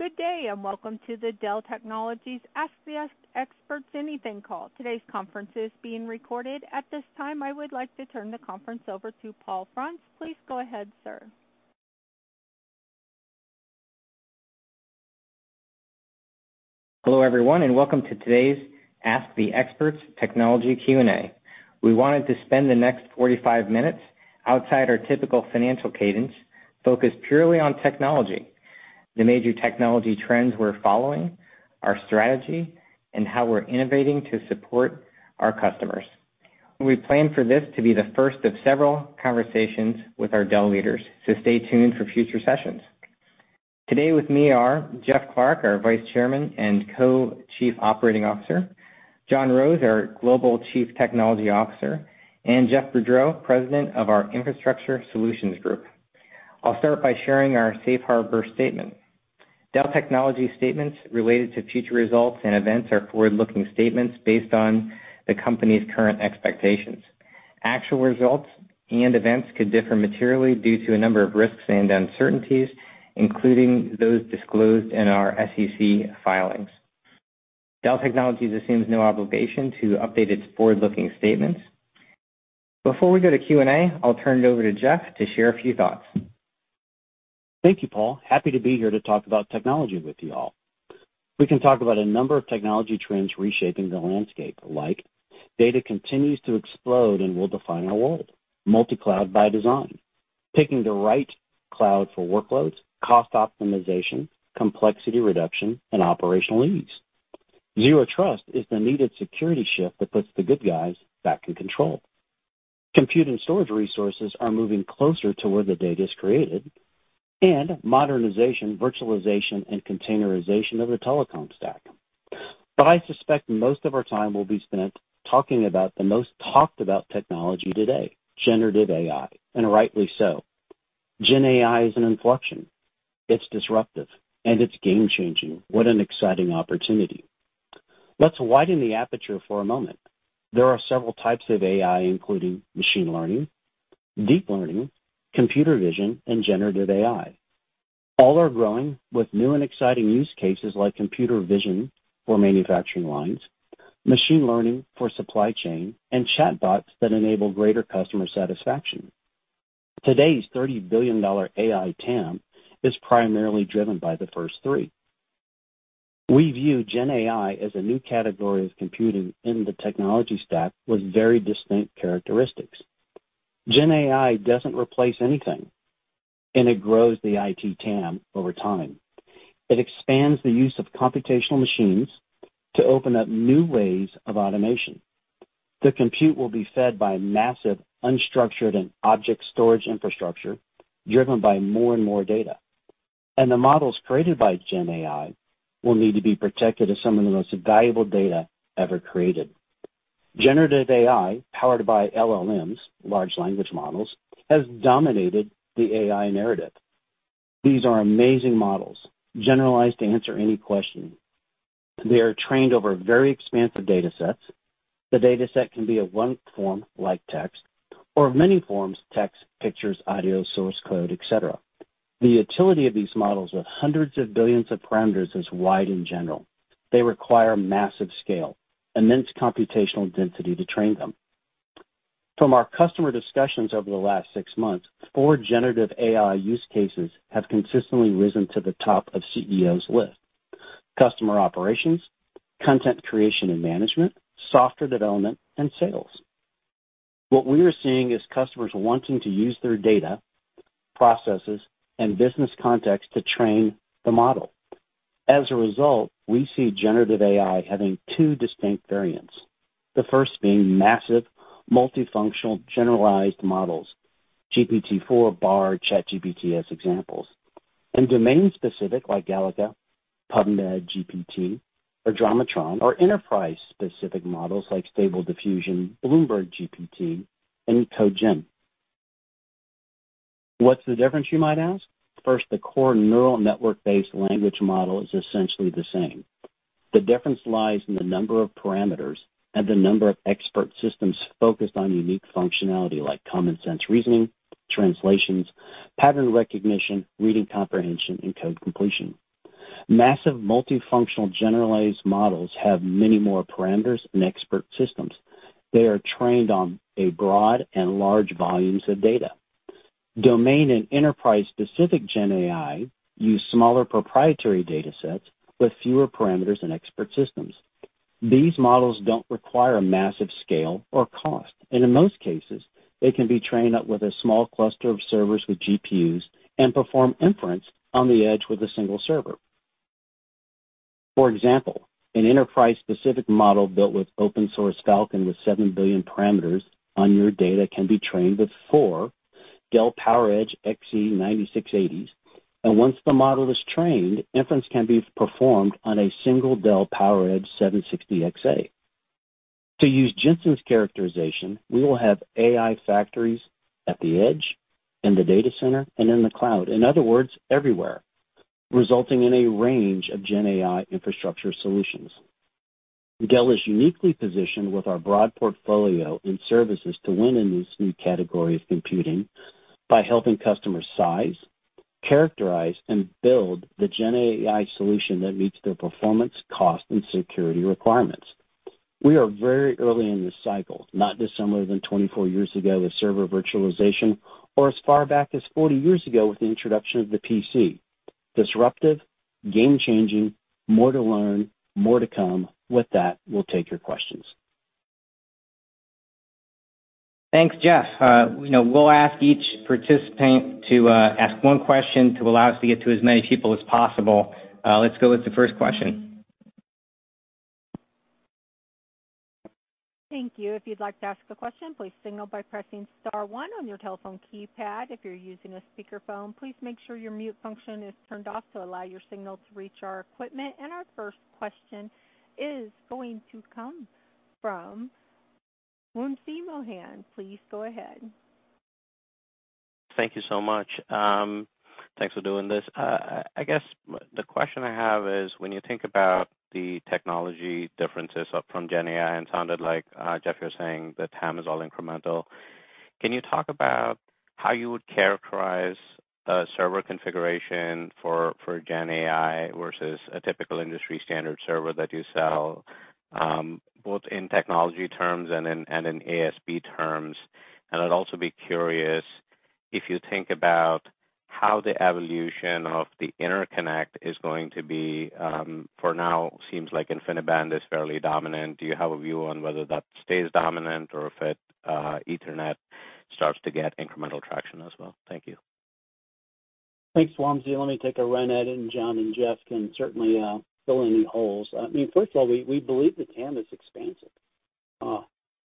Good day, and welcome to the Dell Technologies Ask the Experts Anything call. Today's conference is being recorded. At this time, I would like to turn the conference over to Paul Frantz. Please go ahead, sir. Hello, everyone, welcome to today's Ask the Experts Technology Q&A. We wanted to spend the next 45 minutes outside our typical financial cadence, focused purely on technology, the major technology trends we're following, our strategy, and how we're innovating to support our customers. We plan for this to be the first of several conversations with our Dell leaders, so stay tuned for future sessions. Today with me are Jeff Clarke, our Vice Chairman and Co-Chief Operating Officer, John Roese, our Global Chief Technology Officer, and Jeff Boudreau, President of our Infrastructure Solutions Group. I'll start by sharing our safe harbor statement. Dell Technologies statements related to future results and events are forward-looking statements based on the company's current expectations. Actual results and events could differ materially due to a number of risks and uncertainties, including those disclosed in our SEC filings. Dell Technologies assumes no obligation to update its forward-looking statements. Before we go to Q&A, I'll turn it over to Jeff to share a few thoughts. Thank you, Paul. Happy to be here to talk about technology with you all. We can talk about a number of technology trends reshaping the landscape, like data continues to explode and will define our world. Multi-cloud by design, picking the right cloud for workloads, cost optimization, complexity reduction, and operational ease. Zero Trust is the needed security shift that puts the good guys back in control. Compute and storage resources are moving closer to where the data is created, modernization, virtualization, and containerization of the telecom stack. I suspect most of our time will be spent talking about the most talked about technology today, generative AI, and rightly so. Gen AI is an inflection, it's disruptive, and it's game-changing. What an exciting opportunity! Let's widen the aperture for a moment. There are several types of AI, including machine learning, deep learning, computer vision, and generative AI. All are growing with new and exciting use cases like computer vision for manufacturing lines, machine learning for supply chain, and chatbots that enable greater customer satisfaction. Today's $30 billion AI TAM is primarily driven by the first three. We view Gen AI as a new category of computing in the technology stack with very distinct characteristics. Gen AI doesn't replace anything, and it grows the IT TAM over time. It expands the use of computational machines to open up new ways of automation. The compute will be fed by massive, unstructured and object storage infrastructure, driven by more and more data. The models created by Gen AI will need to be protected as some of the most valuable data ever created. Generative AI, powered by LLMs, large language models, has dominated the AI narrative. These are amazing models, generalized to answer any question. They are trained over very expansive datasets. The dataset can be of one form, like text, or of many forms: text, pictures, audio, source code, et cetera. The utility of these models with hundreds of billions of parameters is wide and general. They require massive scale, immense computational density to train them. From our customer discussions over the last six months, four generative AI use cases have consistently risen to the top of CEO's lists, customer operations, content creation and management, software development, and sales. What we are seeing is customers wanting to use their data, processes, and business context to train the model. As a result, we see generative AI having two distinct variants. The first being massive, multifunctional, generalized models, GPT-4, Bard, ChatGPT as examples, and domain-specific like Galactica, PubMedGPT, or Dramatron, or enterprise-specific models like Stable Diffusion, BloombergGPT, and CodeGen. What's the difference, you might ask? First, the core neural network-based language model is essentially the same. The difference lies in the number of parameters and the number of expert systems focused on unique functionality like common sense reasoning, translations, pattern recognition, reading comprehension, and code completion. Massive, multifunctional, generalized models have many more parameters and expert systems. They are trained on a broad and large volumes of data. Domain and enterprise-specific Gen AI use smaller proprietary datasets with fewer parameters and expert systems. These models don't require a massive scale or cost, and in most cases, they can be trained up with a small cluster of servers with GPUs and perform inference on the edge with a single server. For example, an enterprise-specific model built with open source Falcon with 7 billion parameters on your data can be trained with four Dell PowerEdge XE9680s, and once the model is trained, inference can be performed on a single Dell PowerEdge R760xa. To use Jensen's characterization, we will have AI factories at the edge, in the data center, and in the cloud, in other words, everywhere, resulting in a range of Gen AI infrastructure solutions. Dell is uniquely positioned with our broad portfolio and services to win in this new category of computing by helping customers size, characterize, and build the Gen AI solution that meets their performance, cost, and security requirements. We are very early in this cycle, not dissimilar than 24 years ago with server virtualization or as far back as 40 years ago with the introduction of the PC. Disruptive, game-changing, more to learn, more to come. With that, we'll take your questions. Thanks, Jeff. you know, we'll ask each participant to ask one question to allow us to get to as many people as possible. Let's go with the first question. Thank you. If you'd like to ask a question, please signal by pressing star one on your telephone keypad. If you're using a speakerphone, please make sure your mute function is turned off to allow your signal to reach our equipment. Our first question is going to come from Wamsi Mohan. Please go ahead. Thank you so much. Thanks for doing this. I guess the question I have is, when you think about the technology differences from Gen AI, and sounded like Jeff, you're saying the TAM is all incremental, can you talk about how you would characterize a server configuration for Gen AI versus a typical industry standard server that you sell, both in technology terms and in ASP terms? I'd also be curious if you think about how the evolution of the interconnect is going to be, for now, seems like InfiniBand is fairly dominant. Do you have a view on whether that stays dominant or if Ethernet starts to get incremental traction as well? Thank you. Thanks, Wamsi. Let me take a run at it. John and Jeff can certainly fill any holes. I mean, first of all, we believe the TAM is expansive.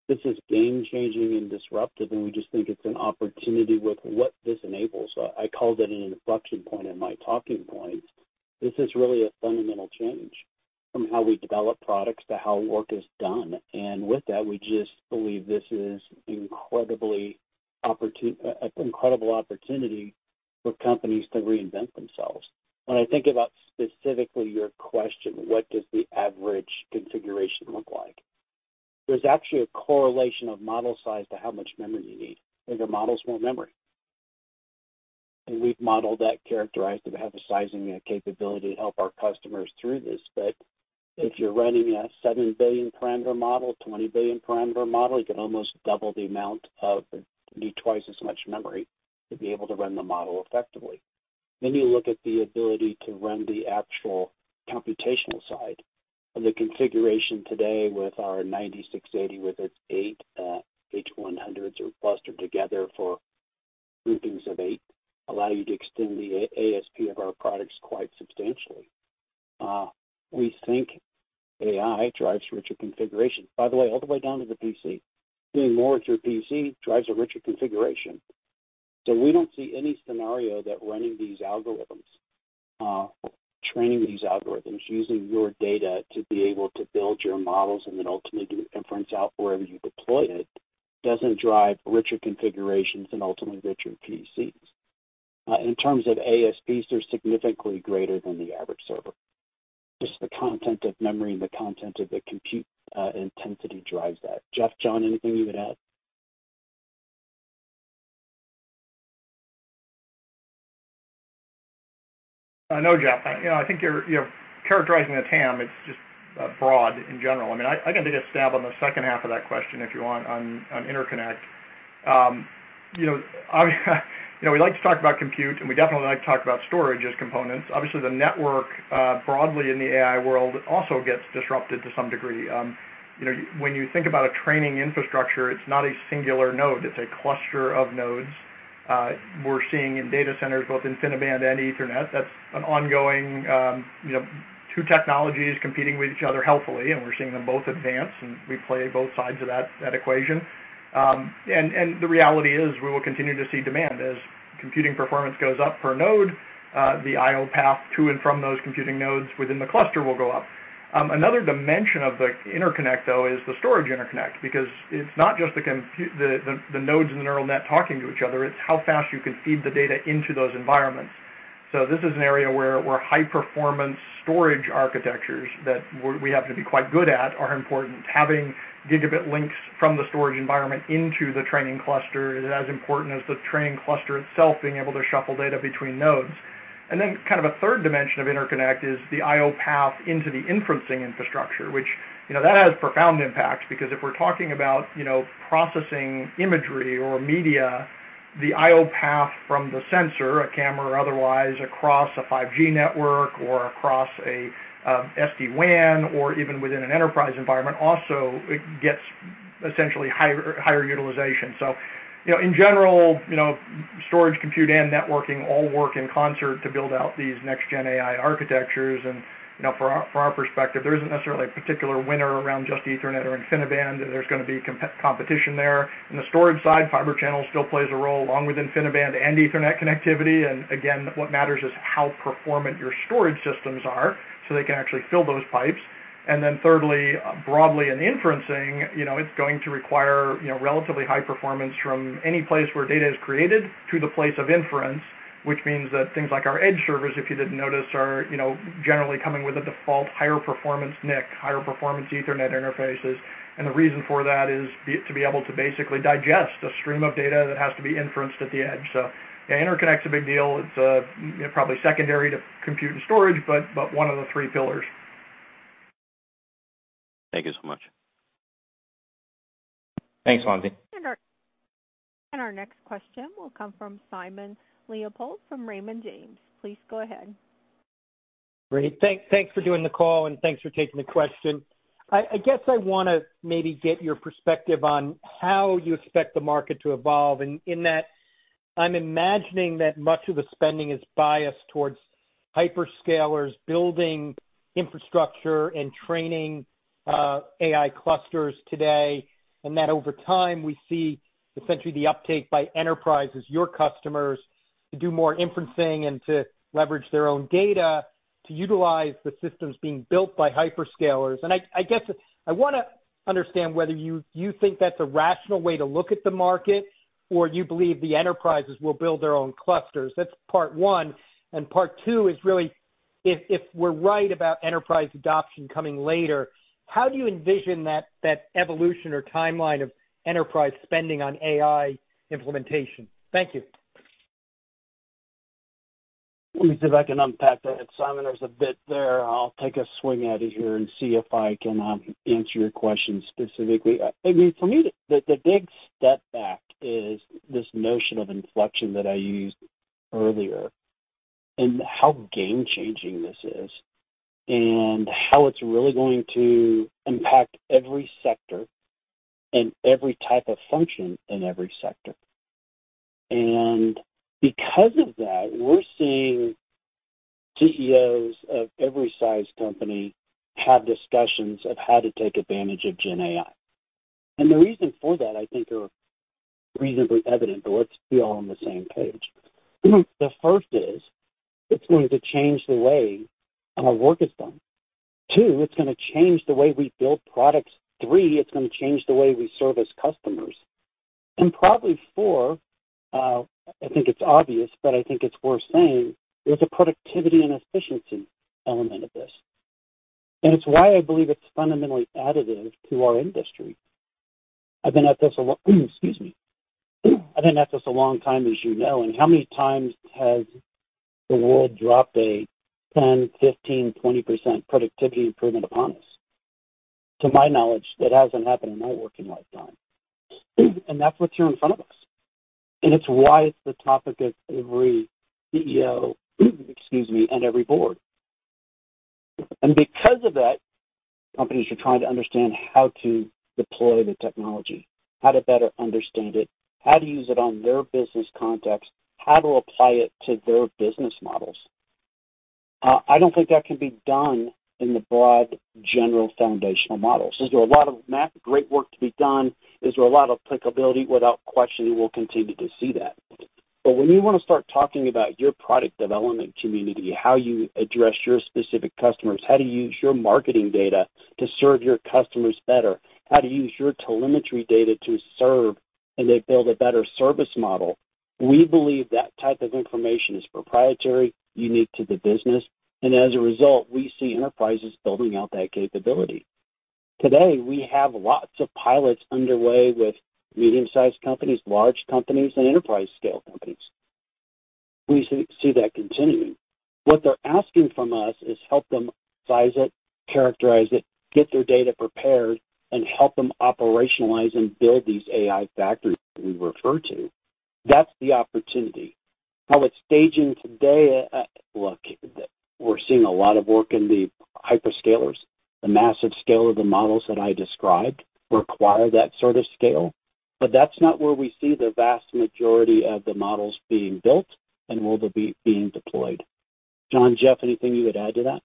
This is game changing and disruptive. We just think it's an opportunity with what this enables. I called it an inflection point in my talking points. This is really a fundamental change from how we develop products to how work is done. With that, we just believe this is incredibly incredible opportunity for companies to reinvent themselves. When I think about specifically your question, what does the average configuration look like? There's actually a correlation of model size to how much memory you need. Bigger model's, more memory. We've modeled that, characterized it, we have a sizing and capability to help our customers through this. If you're running a 7 billion parameter model, 20 billion parameter model, you can almost do twice as much memory to be able to run the model effectively. You look at the ability to run the actual computational side. The configuration today with our 9680, with its eight H100s are clustered together for groupings of eight, allow you to extend the ASP of our products quite substantially. We think AI drives richer configuration, by the way, all the way down to the PC. Doing more with your PC drives a richer configuration. We don't see any scenario that running these algorithms, training these algorithms, using your data to be able to build your models and then ultimately do inference out wherever you deploy it, doesn't drive richer configurations and ultimately richer PCs. In terms of ASPs, they're significantly greater than the average server. Just the content of memory and the content of the compute intensity drives that. Jeff, John, anything you would add? No, Jeff, you know, I think you're characterizing the TAM, it's just broad in general. I mean, I can take a stab on interconnect. You know, we like to talk about compute, and we definitely like to talk about storage as components. Obviously, the network, broadly in the AI world also gets disrupted to some degree. You know, when you think about a training infrastructure, it's not a singular node, it's a cluster of nodes. We're seeing in data centers, both InfiniBand and Ethernet. That's an ongoing, you know, two technologies competing with each other healthily, and we're seeing them both advance, and we play both sides of that equation. The reality is we will continue to see demand. As computing performance goes up per node, the IO path to and from those computing nodes within the cluster will go up. Another dimension of the interconnect, though, is the storage interconnect, because it's not just compute the nodes in the neural net talking to each other, it's how fast you can feed the data into those environments. This is an area where high-performance storage architectures that we happen to be quite good at, are important. Having gigabit links from the storage environment into the training cluster is as important as the training cluster itself being able to shuffle data between nodes. Then kind of a third dimension of interconnect is the IO path into the inferencing infrastructure, which, you know, that has profound impacts, because if we're talking about, you know, processing imagery or media, the IO path from the sensor, a camera or otherwise, across a 5G network or across a SD-WAN or even within an enterprise environment, also it gets essentially higher utilization. You know, in general, you know, storage, compute, and networking all work in concert to build out these next gen AI architectures. You know, from our perspective, there isn't necessarily a particular winner around just Ethernet or InfiniBand. There's going to be competition there. In the storage side, Fibre Channel still plays a role along with InfiniBand and Ethernet connectivity. Again, what matters is how performant your storage systems are, so they can actually fill those pipes. Thirdly, broadly in inferencing, you know, it's going to require, you know, relatively high performance from any place where data is created to the place of inference, which means that things like our edge servers, if you didn't notice, are, you know, generally coming with a default, higher performance NIC, higher performance Ethernet interfaces. The reason for that is to be able to basically digest a stream of data that has to be inferenced at the edge. Yeah, interconnect's a big deal. It's, you know, probably secondary to compute and storage, but one of the three pillars. Thank you so much. Thanks, Wamsi. Our next question will come from Simon Leopold from Raymond James. Please go ahead. Great. Thanks for doing the call, thanks for taking the question. I guess I want to maybe get your perspective on how you expect the market to evolve. In that, I'm imagining that much of the spending is biased towards hyperscalers building infrastructure and training AI clusters today, and that over time, we see essentially the uptake by enterprises, your customers, to do more inferencing and to leverage their own data to utilize the systems being built by hyperscalers. I guess I want to understand whether you think that's a rational way to look at the market or you believe the enterprises will build their own clusters. That's part one. Part two is really if we're right about enterprise adoption coming later, how do you envision that evolution or timeline of enterprise spending on AI implementation? Thank you. Let me see if I can unpack that, Simon. There's a bit there. I'll take a swing at it here and see if I can answer your question specifically. I mean, for me, the big step back is this notion of inflection that I used earlier and how game-changing this is, and how it's really going to impact every sector and every type of function in every sector. Because of that, we're seeing CEOs of every size company have discussions of how to take advantage of Gen AI. The reason for that I think are reasonably evident, but let's be all on the same page. The first is it's going to change the way our work is done. Two, it's gonna change the way we build products. Three, it's gonna change the way we service customers. Probably four, I think it's obvious, but I think it's worth saying, there's a productivity and efficiency element of this, and it's why I believe it's fundamentally additive to our industry. I've been at this, excuse me. I've been at this a long time, as you know, how many times has the world dropped a 10%, 15%, 20% productivity improvement upon us? To my knowledge, it hasn't happened in my working lifetime. That's what's here in front of us, and it's why it's the topic of every CEO, excuse me, and every board. Because of that, companies are trying to understand how to deploy the technology, how to better understand it, how to use it on their business context, how to apply it to their business models. I don't think that can be done in the broad, general, foundational models. Is there a lot of math? Great work to be done. Is there a lot of applicability? Without question, we'll continue to see that. When you want to start talking about your product development community, how you address your specific customers, how to use your marketing data to serve your customers better, how to use your telemetry data to serve, and they build a better service model, we believe that type of information is proprietary, unique to the business. As a result, we see enterprises building out that capability. Today, we have lots of pilots underway with medium-sized companies, large companies, and enterprise-scale companies. We see that continuing. What they're asking from us is help them size it, characterize it, get their data prepared, and help them operationalize and build these AI factories that we refer to. That's the opportunity. How it's staging today, look, we're seeing a lot of work in the hyperscalers. The massive scale of the models that I described require that sort of scale, but that's not where we see the vast majority of the models being built and will be being deployed. John, Jeff, anything you would add to that?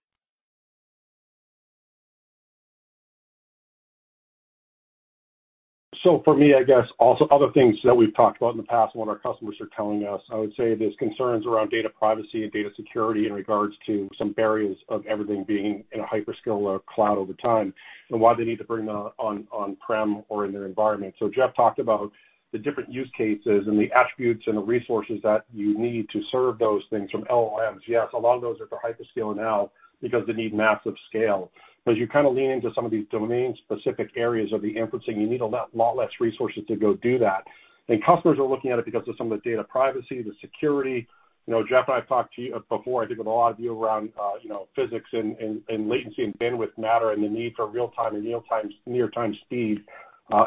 For me, I guess also other things that we've talked about in the past and what our customers are telling us, I would say there's concerns around data privacy and data security in regards to some barriers of everything being in a hyperscaler cloud over time and why they need to bring that on-prem or in their environment. Jeff talked about the different use cases and the attributes and the resources that you need to serve those things from LLMs. A lot of those are for hyperscaler now because they need massive scale. As you kind of lean into some of these domain-specific areas of the inferencing, you need a lot less resources to go do that. Customers are looking at it because of some of the data privacy, the security. You know, Jeff and I have talked to you before, I think with a lot of you around, you know, physics and latency and bandwidth matter, and the need for real time and near-time speed,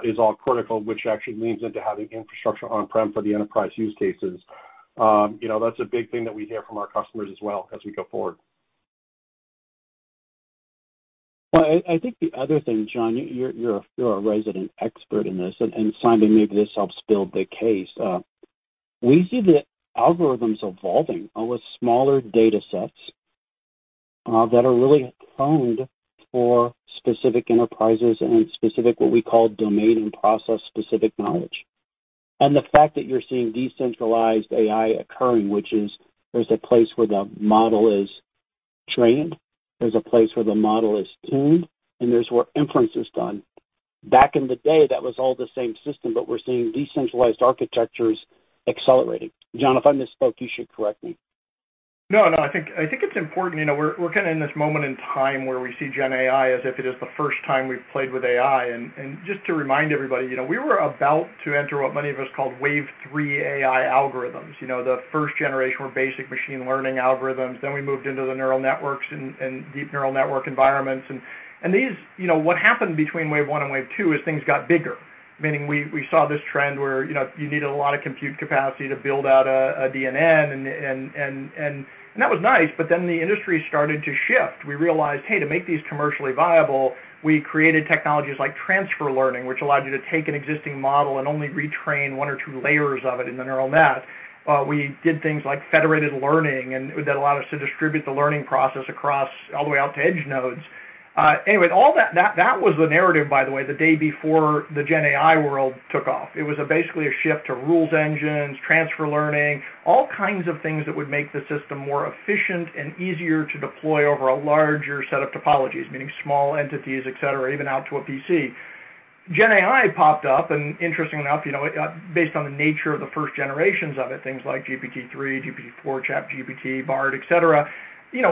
is all critical, which actually leans into having infrastructure on-prem for the enterprise use cases. You know, that's a big thing that we hear from our customers as well as we go forward. Well, I think the other thing, John, you're a resident expert in this, and Simon, maybe this helps build the case. We see the algorithms evolving with smaller datasets, that are really honed for specific enterprises and specific, what we call domain and process-specific knowledge. The fact that you're seeing decentralized AI occurring, which is there's a place where the model is trained, there's a place where the model is tuned, and there's where inference is done. Back in the day, that was all the same system. We're seeing decentralized architectures accelerating. John, if I misspoke, you should correct me. No, I think it's important. You know, we're kind of in this moment in time where we see Gen AI as if it is the first time we've played with AI. Just to remind everybody, you know, we were about to enter what many of us called wave three AI algorithms. You know, the first generation were basic machine learning algorithms. Then we moved into the neural networks and deep neural network environments. These, you know, what happened between wave one and wave two is things got bigger, meaning we saw this trend where, you know, you needed a lot of compute capacity to build out a DNN. That was nice, but then the industry started to shift. We realized, hey, to make these commercially viable, we created technologies like transfer learning, which allowed you to take an existing model and only retrain one or two layers of it in the neural net. We did things like federated learning. That allowed us to distribute the learning process across all the way out to edge nodes. Anyway, all that was the narrative, by the way, the day before the Gen AI world took off. It was basically a shift to rules, engines, transfer learning, all kinds of things that would make the system more efficient and easier to deploy over a larger set of topologies, meaning small entities, et cetera, even out to a PC. Gen AI popped up, interestingly enough, you know, based on the nature of the first generations of it, things like GPT-3, GPT-4, ChatGPT, Bard, et cetera, you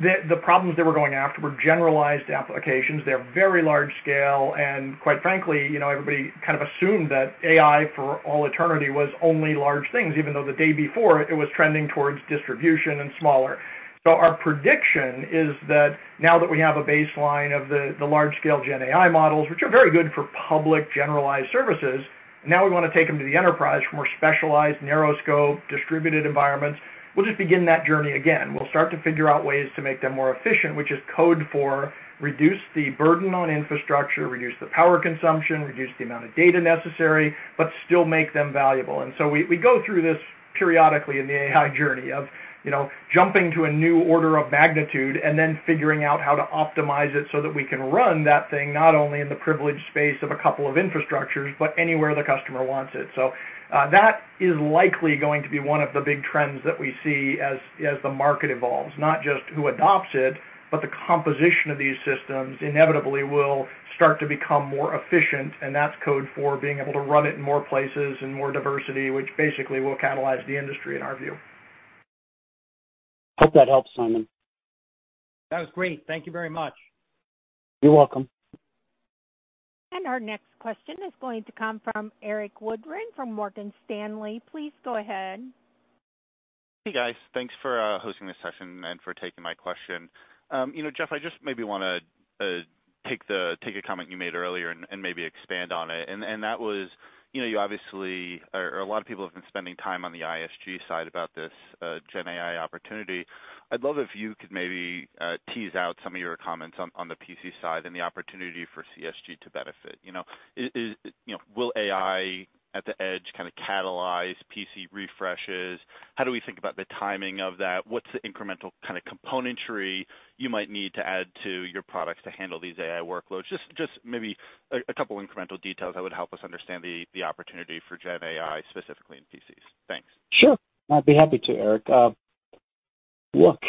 know, the problems they were going after were generalized applications. They're very large scale, and quite frankly, you know, everybody kind of assumed that AI, for all eternity, was only large things, even though the day before it was trending towards distribution and smaller. Our prediction is that now that we have a baseline of the large-scale Gen AI models, which are very good for public generalized services, now we want to take them to the enterprise for more specialized, narrow scope, distributed environments. We'll just begin that journey again. We'll start to figure out ways to make them more efficient, which is code for reduce the burden on infrastructure, reduce the power consumption, reduce the amount of data necessary, but still make them valuable. We go through this periodically in the AI journey of, you know, jumping to a new order of magnitude and then figuring out how to optimize it so that we can run that thing, not only in the privileged space of a couple of infrastructures, but anywhere the customer wants it. That is likely going to be one of the big trends that we see as the market evolves, not just who adopts it, but the composition of these systems inevitably will start to become more efficient, and that's code for being able to run it in more places and more diversity, which basically will catalyze the industry, in our view. Hope that helps, Simon. That was great. Thank you very much. You're welcome. Our next question is going to come from Erik Woodring from Morgan Stanley. Please go ahead. Hey, guys. Thanks for hosting this session and for taking my question. You know, Jeff, I just maybe want to take a comment you made earlier and maybe expand on it. That was, you know, you obviously, or a lot of people have been spending time on the ISG side about this Gen AI opportunity. I'd love if you could maybe tease out some of your comments on the PC side and the opportunity for CSG to benefit. You know, will AI at the edge kind of catalyze PC refreshes? How do we think about the timing of that? What's the incremental kind of componentry you might need to add to your products to handle these AI workloads? Just maybe a couple incremental details that would help us understand the opportunity for Gen AI, specifically in PCs. Thanks. Sure, I'd be happy to, Erik. Look,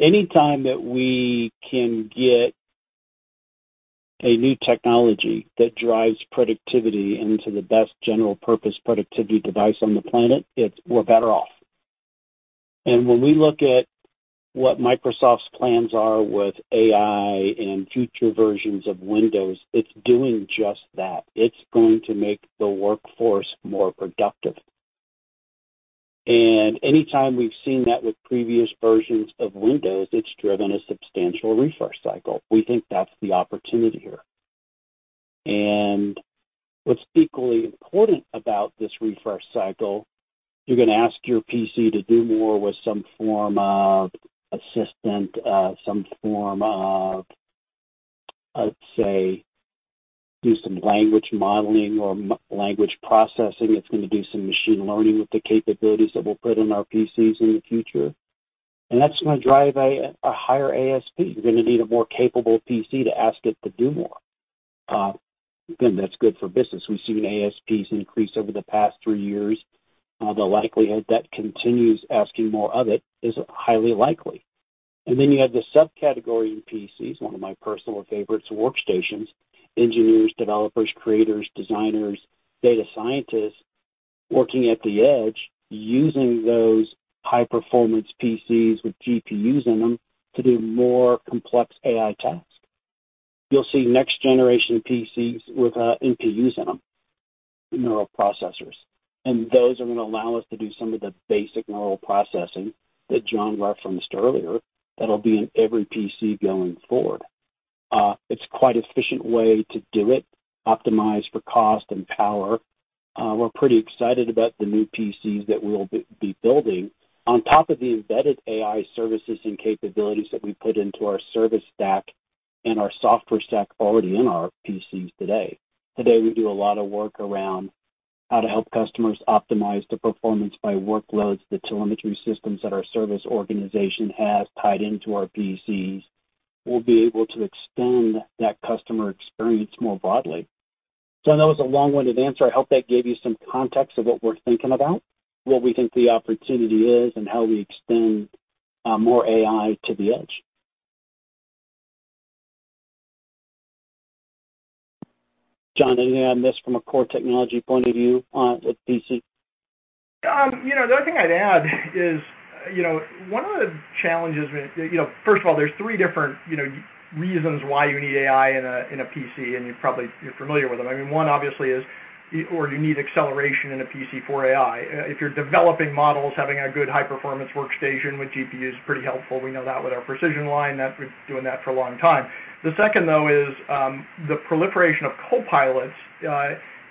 anytime that we can get a new technology that drives productivity into the best general purpose productivity device on the planet, we're better off. When we look at what Microsoft's plans are with AI and future versions of Windows, it's doing just that. It's going to make the workforce more productive. Anytime we've seen that with previous versions of Windows, it's driven a substantial refresh cycle. We think that's the opportunity here. What's equally important about this refresh cycle, you're going to ask your PC to do more with some form of assistant, some form of, let's say, do some language modeling or language processing. It's going to do some machine learning with the capabilities that we'll put in our PCs in the future, and that's going to drive a higher ASP. You're going to need a more capable PC to ask it to do more. Again, that's good for business. We've seen ASPs increase over the past three years. The likelihood that continues asking more of it is highly likely. You have the subcategory in PCs, one of my personal favorites, workstations, engineers, developers, creators, designers, data scientists, working at the edge, using those high-performance PCs with GPUs in them to do more complex AI tasks. You'll see next generation PCs with NPUs in them, neural processors, and those are going to allow us to do some of the basic neural processing that John referenced earlier that'll be in every PC going forward. It's quite efficient way to do it, optimize for cost and power. We're pretty excited about the new PCs that we'll be building. On top of the embedded AI services and capabilities that we put into our service stack and our software stack already in our PCs today. Today, we do a lot of work around how to help customers optimize the performance by workloads, the telemetry systems that our service organization has tied into our PCs. We'll be able to extend that customer experience more broadly. I know it's a long-winded answer. I hope that gave you some context of what we're thinking about, what we think the opportunity is, and how we extend more AI to the edge. John, anything on this from a core technology point of view on the PC? You know, the only thing I'd add is, you know, one of the challenges, first of all, there's three different, you know, reasons why you need AI in a PC, and you're probably familiar with them. I mean, one obviously is, or you need acceleration in a PC for AI. If you're developing models, having a good high-performance workstation with GPU is pretty helpful. We know that with our Precision line, that we've been doing that for a long time. The second, though, is the proliferation of copilots.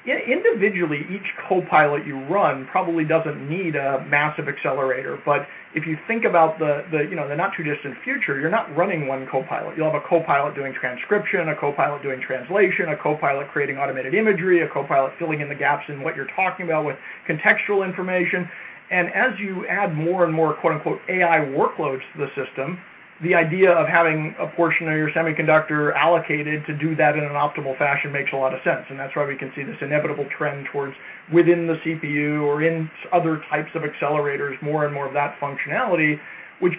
Individually, each copilot you run probably doesn't need a massive accelerator, but if you think about the, you know, the not too distant future, you're not running one copilot. You'll have a copilot doing transcription, a copilot doing translation, a copilot creating automated imagery, a copilot filling in the gaps in what you're talking about with contextual information. As you add more and more, quote-unquote, "AI workloads" to the system, the idea of having a portion of your semiconductor allocated to do that in an optimal fashion makes a lot of sense, and that's why we can see this inevitable trend towards within the CPU or in other types of accelerators, more and more of that functionality.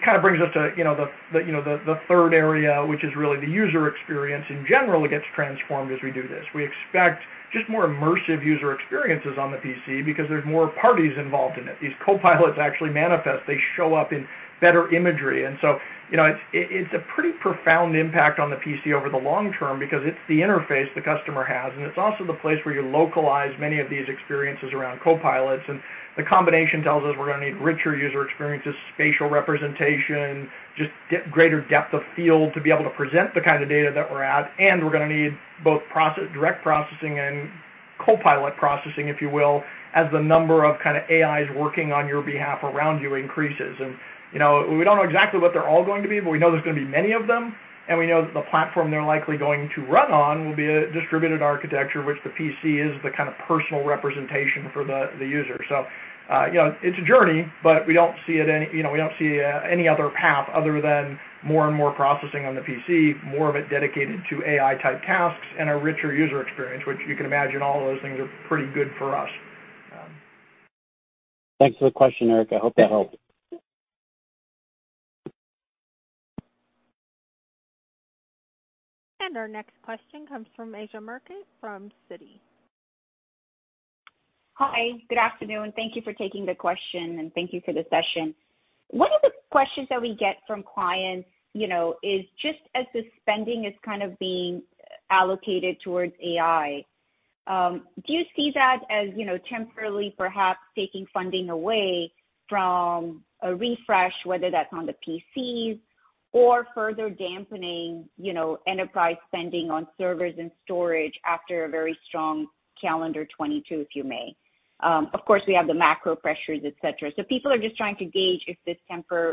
Kind of brings us to, you know, the, you know, the third area, which is really the user experience in general, it gets transformed as we do this. We expect just more immersive user experiences on the PC because there's more parties involved in it. These copilots actually manifest. They show up in better imagery, you know, it's a pretty profound impact on the PC over the long term because it's the interface the customer has, and it's also the place where you localize many of these experiences around copilots. The combination tells us we're going to need richer user experiences, spatial representation, just greater depth of field to be able to present the kind of data that we're at. We're going to need both direct processing and copilot processing, if you will, as the number of kind of AIs working on your behalf around you increases. You know, we don't know exactly what they're all going to be, but we know there's going to be many of them, and we know that the platform they're likely going to run on will be a distributed architecture, which the PC is the kind of personal representation for the user. You know, it's a journey, but You know, we don't see any other path other than more and more processing on the PC, more of it dedicated to AI-type tasks and a richer user experience, which you can imagine all of those things are pretty good for us. Thanks for the question, Erik. I hope that helped. Our next question comes from Asiya Merchant from Citi. Hi, good afternoon. Thank you for taking the question, and thank you for the session. One of the questions that we get from clients, you know, is just as the spending is kind of being allocated towards AI, do you see that as, you know, temporarily perhaps taking funding away from a refresh, whether that's on the PCs or further dampening, you know, enterprise spending on servers and storage after a very strong calendar 2022, if you may? Of course, we have the macro pressures, et cetera. People are just trying to gauge if this,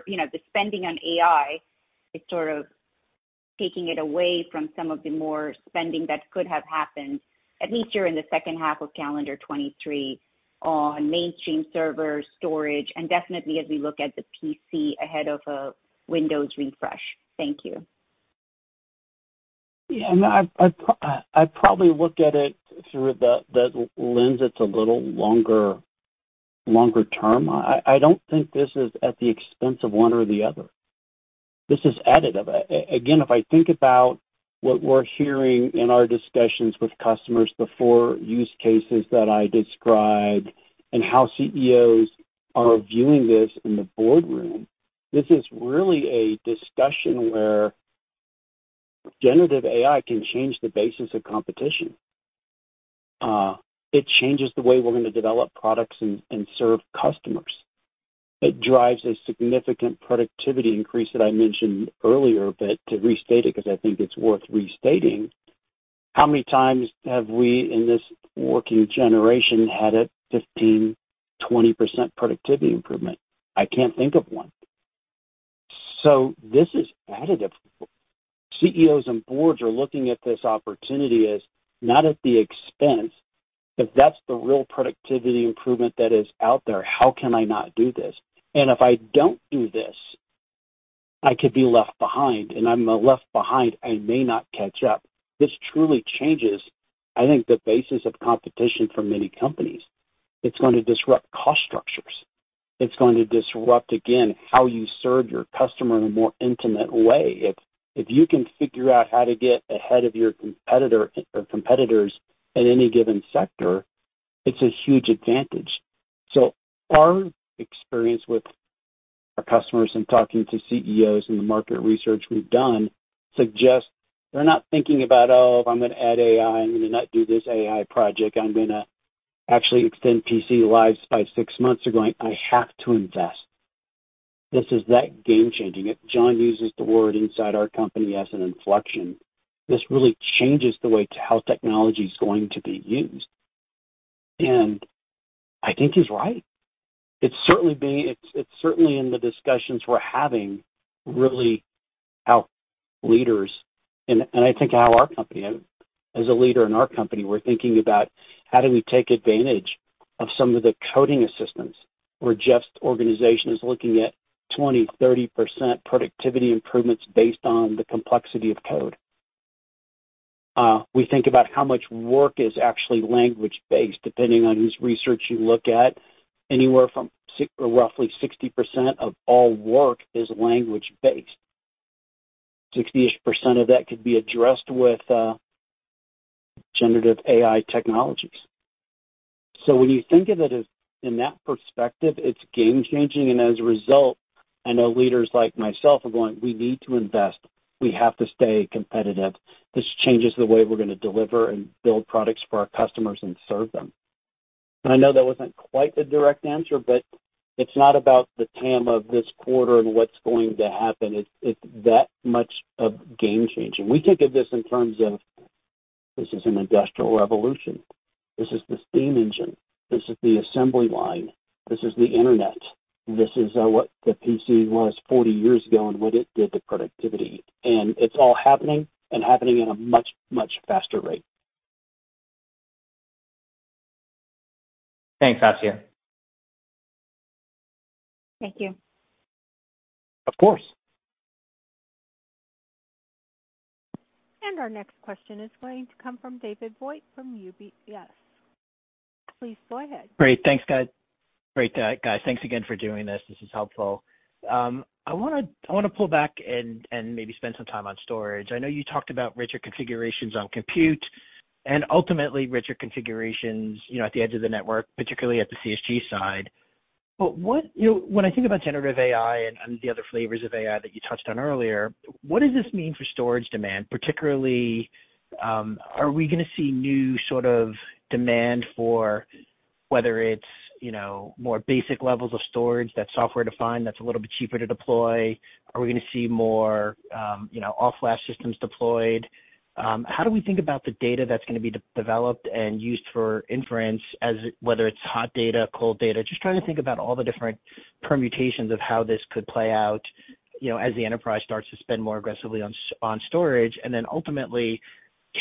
you know, the spending on AI is sort of taking it away from some of the more spending that could have happened, at least here in the second half of calendar 2023, on mainstream server storage, and definitely as we look at the PC ahead of a Windows refresh. Thank you. I've probably looked at it through the lens that's a little longer term. I don't think this is at the expense of one or the other. This is additive. Again, if I think about what we're hearing in our discussions with customers, the four use cases that I described and how CEOs are viewing this in the boardroom, this is really a discussion where generative AI can change the basis of competition. It changes the way we're going to develop products and serve customers. It drives a significant productivity increase that I mentioned earlier, but to restate it, because I think it's worth restating, how many times have we, in this working generation, had a 15%, 20% productivity improvement? I can't think of one. This is additive. CEOs and boards are looking at this opportunity as not at the expense, but that's the real productivity improvement that is out there. How can I not do this? If I don't do this, I could be left behind, and I'm left behind, I may not catch up. This truly changes, I think, the basis of competition for many companies. It's going to disrupt cost structures. It's going to disrupt, again, how you serve your customer in a more intimate way. If you can figure out how to get ahead of your competitor or competitors in any given sector, it's a huge advantage. Our experience with our customers and talking to CEOs and the market research we've done suggests they're not thinking about, "Oh, if I'm going to add AI, I'm going to not do this AI project. I'm going to actually extend PC lives by six months." They're going, "I have to invest." This is that game-changing. John uses the word inside our company as an inflection. This really changes the way to how technology is going to be used, and I think he's right. It's certainly in the discussions we're having, really, how leaders and I think how our company, as a leader in our company, we're thinking about: How do we take advantage of some of the coding assistance or just organizations looking at 20%, 30% productivity improvements based on the complexity of code? We think about how much work is actually language-based, depending on whose research you look at. Anywhere from roughly 60% of all work is language-based. 60%-ish of that could be addressed with generative AI technologies. When you think of it as in that perspective, it's game changing. As a result, I know leaders like myself are going, "We need to invest. We have to stay competitive. This changes the way we're going to deliver and build products for our customers and serve them." I know that wasn't quite the direct answer, but it's not about the TAM of this quarter and what's going to happen. It's that much of game changing. We think of this in terms of this is an industrial revolution. This is the steam engine, this is the assembly line, this is the internet. This is what the PC was 40 years ago and what it did to productivity. It's all happening and happening at a much, much faster rate. Thanks, Asiya. Thank you. Of course. Our next question is going to come from David Vogt from UBS. Please go ahead. Great. Thanks, guys. Great, guys, thanks again for doing this. This is helpful. I want to pull back and maybe spend some time on storage. I know you talked about richer configurations on compute and ultimately richer configurations, you know, at the edge of the network, particularly at the CSG side. What, you know, when I think about generative AI and the other flavors of AI that you touched on earlier, what does this mean for storage demand? Particularly, are we going to see new sort of demand for whether it's, you know, more basic levels of storage that's software-defined, that's a little bit cheaper to deploy? Are we going to see more, you know, all-flash systems deployed? How do we think about the data that's going to be developed and used for inference as whether it's hot data, cold data? Just trying to think about all the different permutations of how this could play out, you know, as the enterprise starts to spend more aggressively on storage. Ultimately,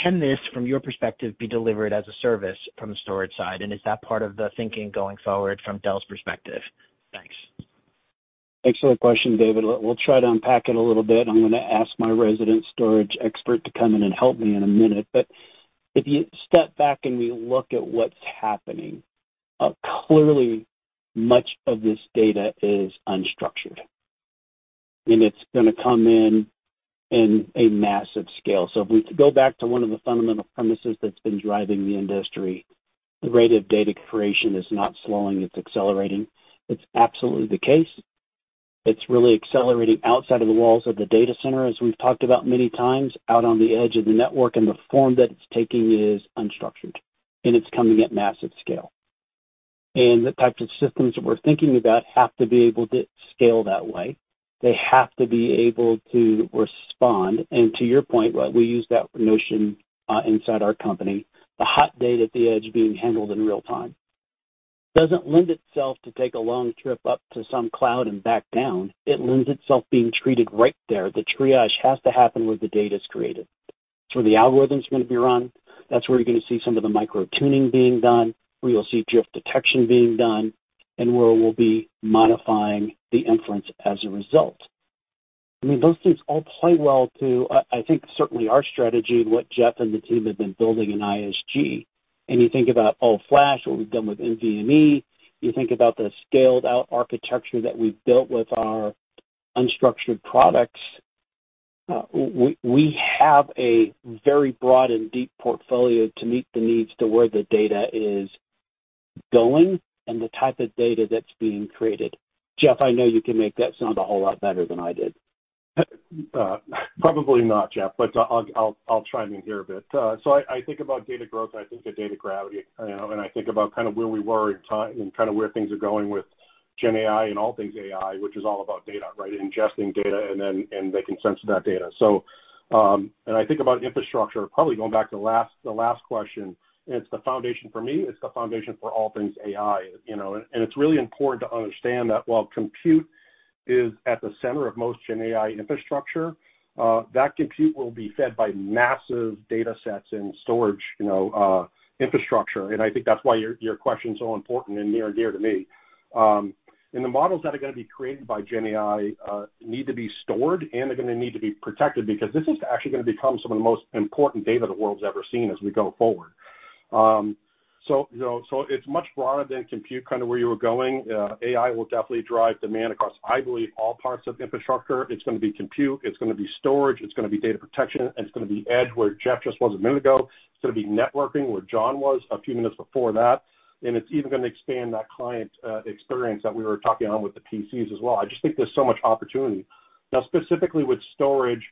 can this, from your perspective, be delivered as a service from the storage side? Is that part of the thinking going forward from Dell's perspective? Thanks. Thanks for the question, David. We'll try to unpack it a little bit. I'm going to ask my resident storage expert to come in and help me in a minute. If you step back and we look at what's happening, clearly much of this data is unstructured, and it's going to come in in a massive scale. If we go back to one of the fundamental premises that's been driving the industry, the rate of data creation is not slowing, it's accelerating. It's absolutely the case. It's really accelerating outside of the walls of the data center, as we've talked about many times, out on the edge of the network, and the form that it's taking is unstructured, and it's coming at massive scale. The types of systems that we're thinking about have to be able to scale that way. They have to be able to respond. To your point, well, we use that notion inside our company. The hot data at the edge being handled in real time doesn't lend itself to take a long trip up to some cloud and back down. It lends itself being treated right there. The triage has to happen where the data is created. The algorithm is going to be run. That's where you're going to see some of the micro-tuning being done, where you'll see drift detection being done, and where we'll be modifying the inference as a result. I mean, those things all play well to, I think, certainly our strategy and what Jeff and the team have been building in ISG. You think about all-flash, what we've done with NVMe, you think about the scaled-out architecture that we've built with our unstructured products. We have a very broad and deep portfolio to meet the needs to where the data is going and the type of data that's being created. Jeff, I know you can make that sound a whole lot better than I did. Probably not, Jeff, but I'll try it in here a bit. I think about data growth, I think of data gravity, you know, and I think about kind of where we were in time and kind of where things are going with Gen AI and all things AI, which is all about data, right? Ingesting data and then making sense of that data. I think about infrastructure, probably going back to the last question, it's the foundation for me. It's the foundation for all things AI, you know? It's really important to understand that while compute is at the center of most Gen AI infrastructure, that compute will be fed by massive data sets and storage, you know, infrastructure. I think that's why your question is so important and near and dear to me. The models that are going to be created by Gen AI need to be stored, and they're going to need to be protected because this is actually going to become some of the most important data the world's ever seen as we go forward. It's much broader than compute, kind of where you were going. AI will definitely drive demand across, I believe, all parts of infrastructure. It's going to be compute, it's going to be storage, it's going to be data protection, and it's going to be edge, where Jeff just was a minute ago. It's going to be networking, where John was a few minutes before that. It's even going to expand that client experience that we were talking on with the PCs as well. I just think there's so much opportunity. Specifically with storage,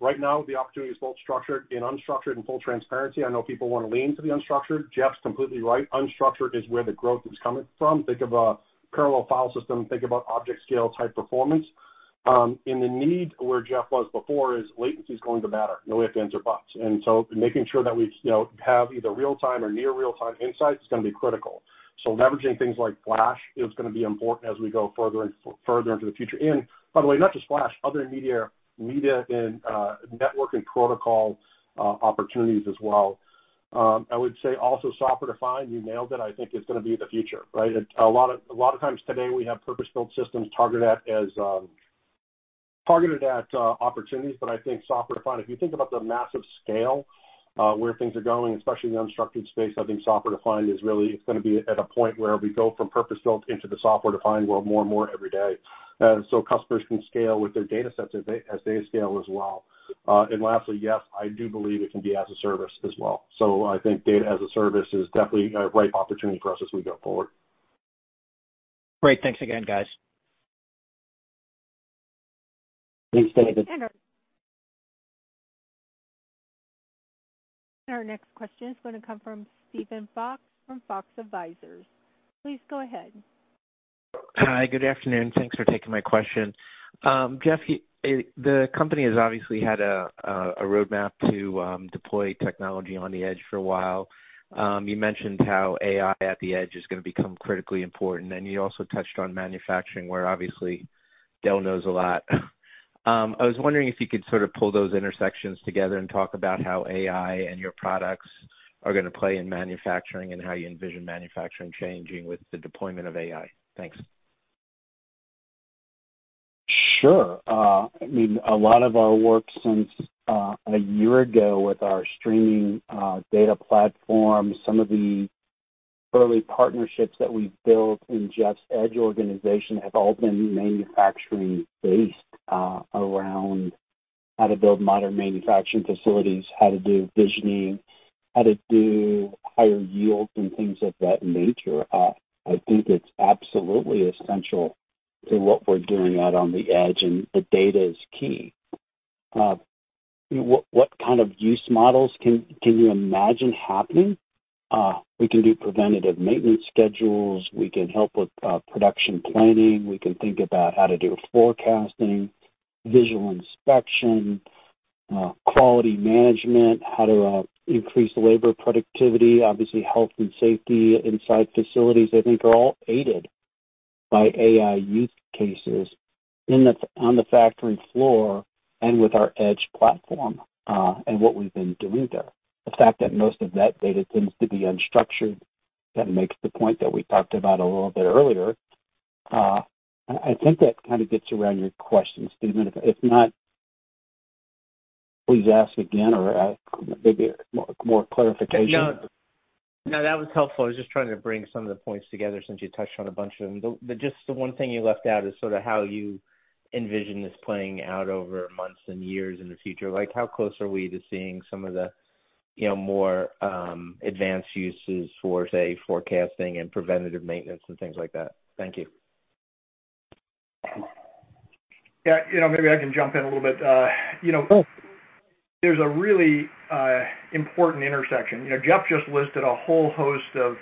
right now, the opportunity is both structured and unstructured. In full transparency, I know people want to lean to the unstructured. Jeff's completely right. Unstructured is where the growth is coming from. Think of a parallel file system, think about object scale type performance. The need where Jeff was before is latency is going to matter, no if, ands, or buts. Making sure that we, you know, have either real-time or near real-time insights is going to be critical. Leveraging things like flash is going to be important as we go further and further into the future. By the way, not just flash, other media and network and protocol opportunities as well. I would say also software-defined, you nailed it. I think it's going to be the future, right? A lot of times today, we have purpose-built systems targeted at as. Targeted at opportunities. I think software-defined, if you think about the massive scale where things are going, especially in the unstructured space, I think software-defined is really it's going to be at a point where we go from purpose-built into the software-defined world more and more every day. Customers can scale with their data sets as they scale as well. Lastly, yes, I do believe it can be as a service as well. I think data as a service is definitely a ripe opportunity for us as we go forward. Great. Thanks again, guys. Thanks, David. Our next question is going to come from Steven Fox from Fox Advisors. Please go ahead. Hi, good afternoon. Thanks for taking my question. Jeff, the company has obviously had a roadmap to deploy technology on the edge for a while. You mentioned how AI at the edge is going to become critically important, and you also touched on manufacturing, where obviously Dell knows a lot. I was wondering if you could sort of pull those intersections together and talk about how AI and your products are going to play in manufacturing and how you envision manufacturing changing with the deployment of AI. Thanks. Sure. I mean, a lot of our work since a year ago with our streaming data platform, some of the early partnerships that we've built in Jeff's edge organization have all been manufacturing-based, around how to build modern manufacturing facilities, how to do visioning, how to do higher yields, and things of that nature. I think it's absolutely essential to what we're doing out on the edge, and the data is key. What kind of use models can you imagine happening? We can do preventative maintenance schedules. We can help with production planning. We can think about how to do forecasting, visual inspection, quality management, how to increase labor productivity. Obviously, health and safety inside facilities, I think, are all aided by AI use cases on the factory floor and with our edge platform, and what we've been doing there. The fact that most of that data tends to be unstructured, that makes the point that we talked about a little bit earlier. I think that kind of gets around your question, Steven. If not, please ask again or ask maybe more clarification. No. No, that was helpful. I was just trying to bring some of the points together since you touched on a bunch of them. Just the one thing you left out is sort of how you envision this playing out over months and years in the future. Like, how close are we to seeing some of the, you know, more advanced uses for, say, forecasting and preventative maintenance and things like that? Thank you. Yeah, you know, maybe I can jump in a little bit. Sure. There's a really important intersection. You know, Jeff just listed a whole host of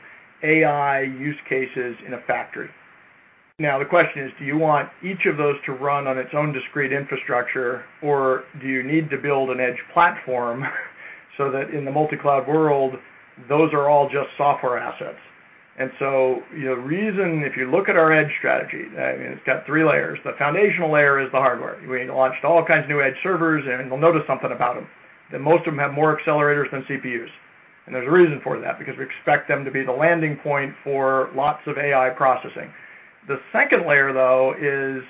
AI use cases in a factory. The question is, do you want each of those to run on its own discrete infrastructure, or do you need to build an edge platform so that in the multi-cloud world, those are all just software assets? You know, if you look at our edge strategy, I mean, it's got three layers. The foundational layer is the hardware. We launched all kinds of new edge servers, and you'll notice something about them, that most of them have more accelerators than CPUs. There's a reason for that, because we expect them to be the landing point for lots of AI processing. The second layer, though, is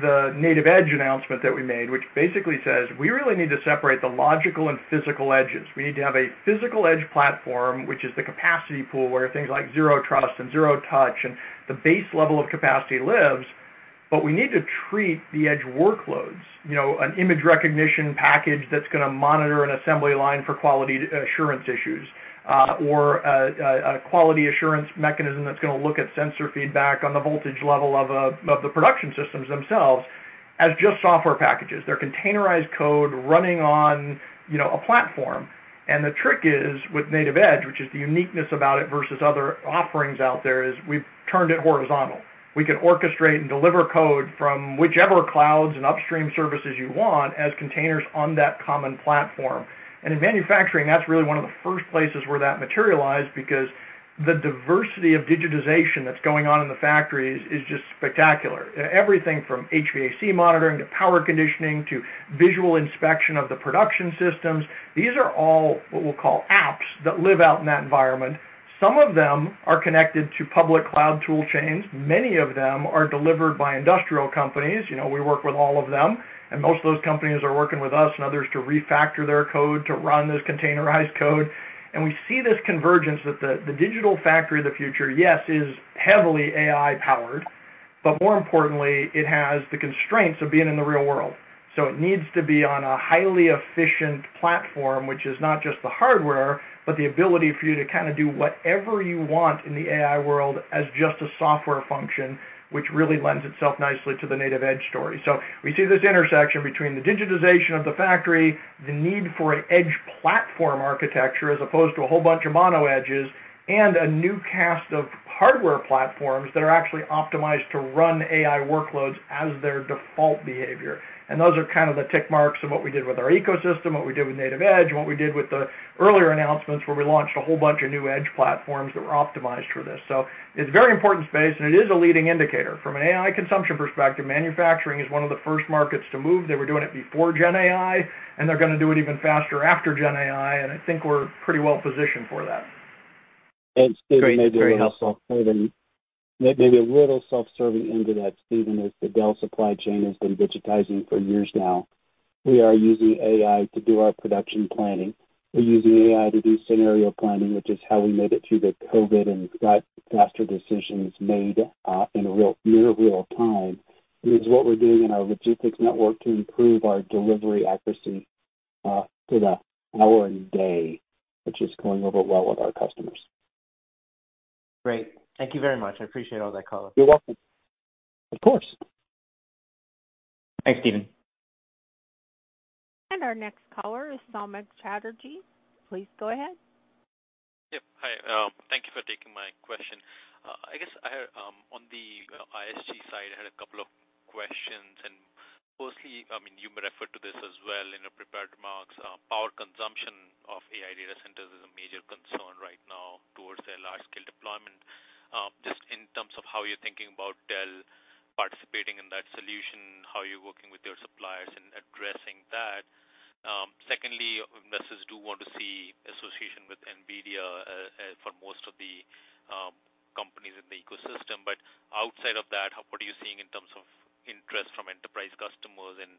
the NativeEdge announcement that we made, which basically says we really need to separate the logical and physical edges. We need to have a physical edge platform, which is the capacity pool, where things like Zero Trust and Zero Touch and the base level of capacity lives. We need to treat the edge workloads, you know, an image recognition package that's going to monitor an assembly line for quality assurance issues, or a quality assurance mechanism that's going to look at sensor feedback on the voltage level of the production systems themselves, as just software packages. They're containerized code running on, you know, a platform. The trick is, with NativeEdge, which is the uniqueness about it versus other offerings out there, is we've turned it horizontal. We can orchestrate and deliver code from whichever clouds and upstream services you want as containers on that common platform. In manufacturing, that's really one of the first places where that materialized because the diversity of digitization that's going on in the factories is just spectacular. Everything from HVAC monitoring, to power conditioning, to visual inspection of the production systems, these are all what we'll call apps that live out in that environment. Some of them are connected to public cloud tool chains. Many of them are delivered by industrial companies. You know, we work with all of them, and most of those companies are working with us and others to refactor their code to run this containerized code. We see this convergence that the digital factory of the future, yes, is heavily AI-powered, but more importantly, it has the constraints of being in the real world. It needs to be on a highly efficient platform, which is not just the hardware, but the ability for you to kind of do whatever you want in the AI world as just a software function, which really lends itself nicely to the NativeEdge story. We see this intersection between the digitization of the factory, the need for an edge platform architecture, as opposed to a whole bunch of mono edges, and a new cast of hardware platforms that are actually optimized to run AI workloads as their default behavior. Those are kind of the tick marks of what we did with our ecosystem, what we did with NativeEdge, and what we did with the earlier announcements, where we launched a whole bunch of new edge platforms that were optimized for this. It's a very important space, and it is a leading indicator. From an AI consumption perspective, manufacturing is one of the first markets to move. They were doing it before Gen AI, and they're going to do it even faster after Gen AI, and I think we're pretty well positioned for that. Maybe a little self-serving into that, Steven, is the Dell supply chain has been digitizing for years now. We are using AI to do our production planning. We're using AI to do scenario planning, which is how we made it through the COVID and got faster decisions made in real, near real time. It is what we're doing in our logistics network to improve our delivery accuracy to the hour and day, which is going over well with our customers. Great. Thank you very much. I appreciate all that color. You're welcome. Of course. Thanks, Steven. Our next caller is Samik Chatterjee. Please go ahead. Yep. Hi, thank you for taking my question. I guess I, on the ISG side, I had a couple of questions, and mostly, I mean, you referred to this as well in your prepared remarks. Power consumption of AI data centers is a major concern right now towards a large-scale deployment. Just in terms of how you're thinking about Dell participating in that solution, how are you working with your suppliers and addressing that? Secondly, investors do want to see association with NVIDIA, for most of the companies in the ecosystem. Outside of that, what are you seeing in terms of interest from enterprise customers and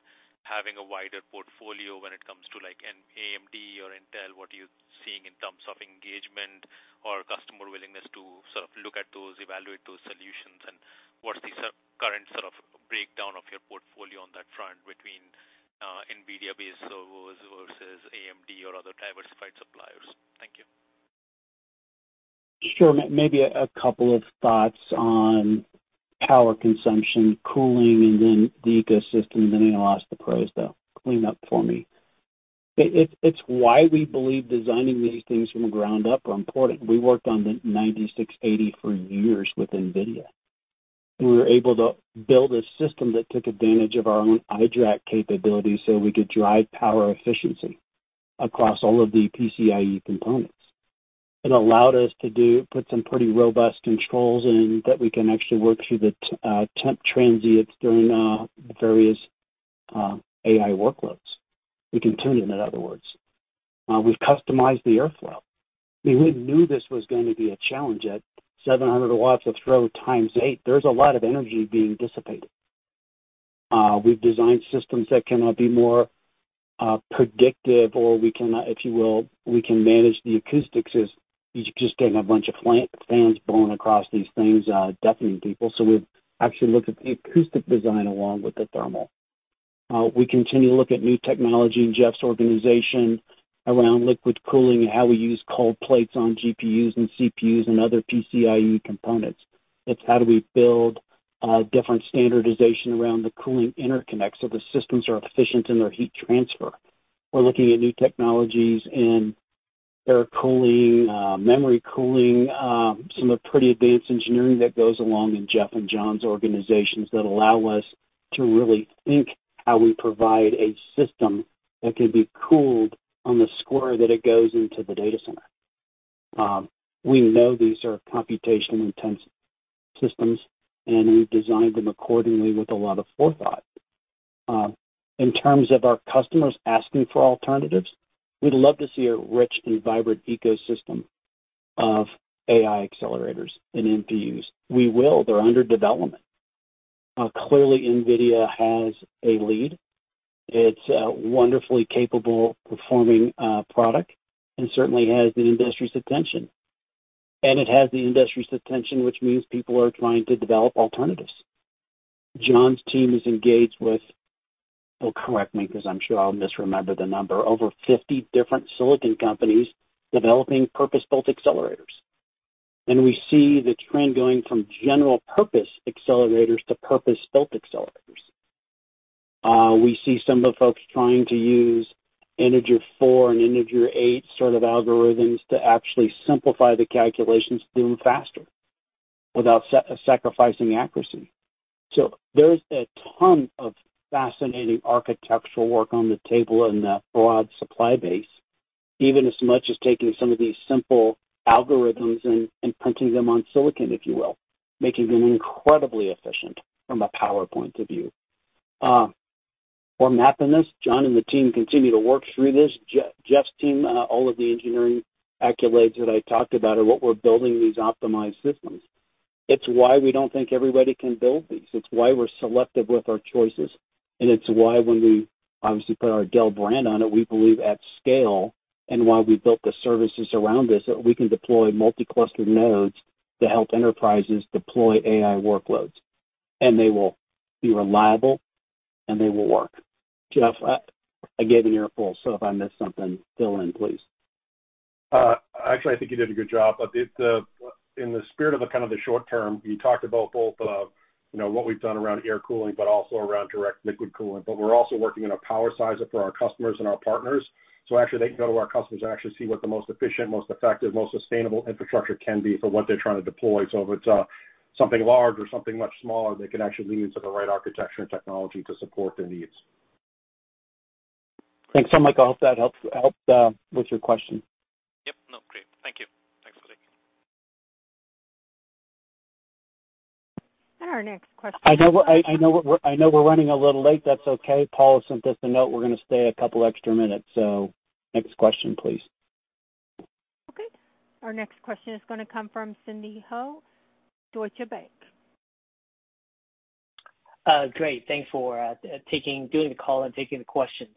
having a wider portfolio when it comes to, like, an AMD or Intel? What are you seeing in terms of engagement or customer willingness to sort of look at those, evaluate those solutions? What's the current sort of breakdown of your portfolio on that front between NVIDIA-based servers versus AMD or other diversified suppliers? Thank you. Sure. Maybe a couple of thoughts on power consumption, cooling, and then the ecosystem, and then I'll ask the pros, though, clean up for me. It's why we believe designing these things from the ground up are important. We worked on the 9680 for years with NVIDIA. We were able to build a system that took advantage of our own iDRAC capabilities, so we could drive power efficiency across all of the PCIe components. It allowed us to put some pretty robust controls in, that we can actually work through the temp transients during the various AI workloads. We can tune in other words. We've customized the airflow. We knew this was going to be a challenge. At 700 W of throw times eight, there's a lot of energy being dissipated. We've designed systems that can be more predictive or we can, if you will, we can manage the acoustics. It's just getting a bunch of fans blowing across these things, deafening people. We've actually looked at the acoustic design along with the thermal. We continue to look at new technology in Jeff's organization around liquid cooling and how we use cold plates on GPUs and CPUs and other PCIe components. It's how do we build different standardization around the cooling interconnects so the systems are efficient in their heat transfer. We're looking at new technologies in air cooling, memory cooling, some of the pretty advanced engineering that goes along in Jeff and John's organizations that allow us to really think how we provide a system that can be cooled on the square that it goes into the data center. We know these are computationally intense systems. We've designed them accordingly with a lot of forethought. In terms of our customers asking for alternatives, we'd love to see a rich and vibrant ecosystem of AI accelerators and NPUs. We will. They're under development. Clearly, NVIDIA has a lead. It's a wonderfully capable performing product and certainly has the industry's attention, which means people are trying to develop alternatives. John's team is engaged with, well, correct me, because I'm sure I'll misremember the number, over 50 different silicon companies developing purpose-built accelerators. We see the trend going from general purpose accelerators to purpose-built accelerators. We see some of the folks trying to use integer four and integer eight sort of algorithms to actually simplify the calculations, do them faster without sacrificing accuracy. There's a ton of fascinating architectural work on the table in the broad supply base, even as much as taking some of these simple algorithms and printing them on silicon, if you will, making them incredibly efficient from a power point of view. We're mapping this. John and the team continue to work through this. Jeff's team, all of the engineering accolades that I talked about are what we're building these optimized systems. It's why we don't think everybody can build these. It's why we're selective with our choices, and it's why when we obviously put our Dell brand on it, we believe at scale, and why we built the services around this, that we can deploy multi-clustered nodes to help enterprises deploy AI workloads, and they will be reliable, and they will work. Jeff, I gave an earful, so if I missed something, fill in, please. Actually, I think you did a good job, but it's in the spirit of the kind of the short term, you talked about both, you know, what we've done around air cooling but also around direct liquid cooling. We're also working on a power sizer for our customers and our partners, so actually, they can go to our customers and actually see what the most efficient, most effective, most sustainable infrastructure can be for what they're trying to deploy. If it's something large or something much smaller, they can actually lead to the right architecture and technology to support their needs. Thanks, Samik. I hope that helps with your question. Yep, no, great. Thank you. Thanks. Our next question. I know we're running a little late. That's okay. Paul sent us a note. We're gonna stay a couple extra minutes. Next question, please. Okay. Our next question is going to come from Sidney Ho, Deutsche Bank. Great. Thanks for doing the call and taking the question.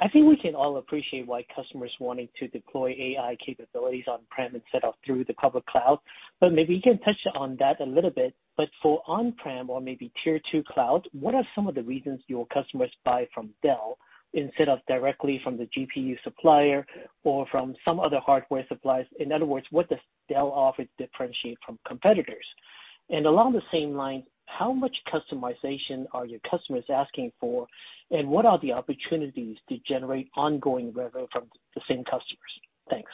I think we can all appreciate why customers wanting to deploy AI capabilities on-prem instead of through the public cloud, maybe you can touch on that a little bit. For on-prem or maybe Tier 2 cloud, what are some of the reasons your customers buy from Dell instead of directly from the GPU supplier or from some other hardware suppliers? In other words, what does Dell offer to differentiate from competitors? Along the same line, how much customization are your customers asking for, and what are the opportunities to generate ongoing revenue from the same customers? Thanks.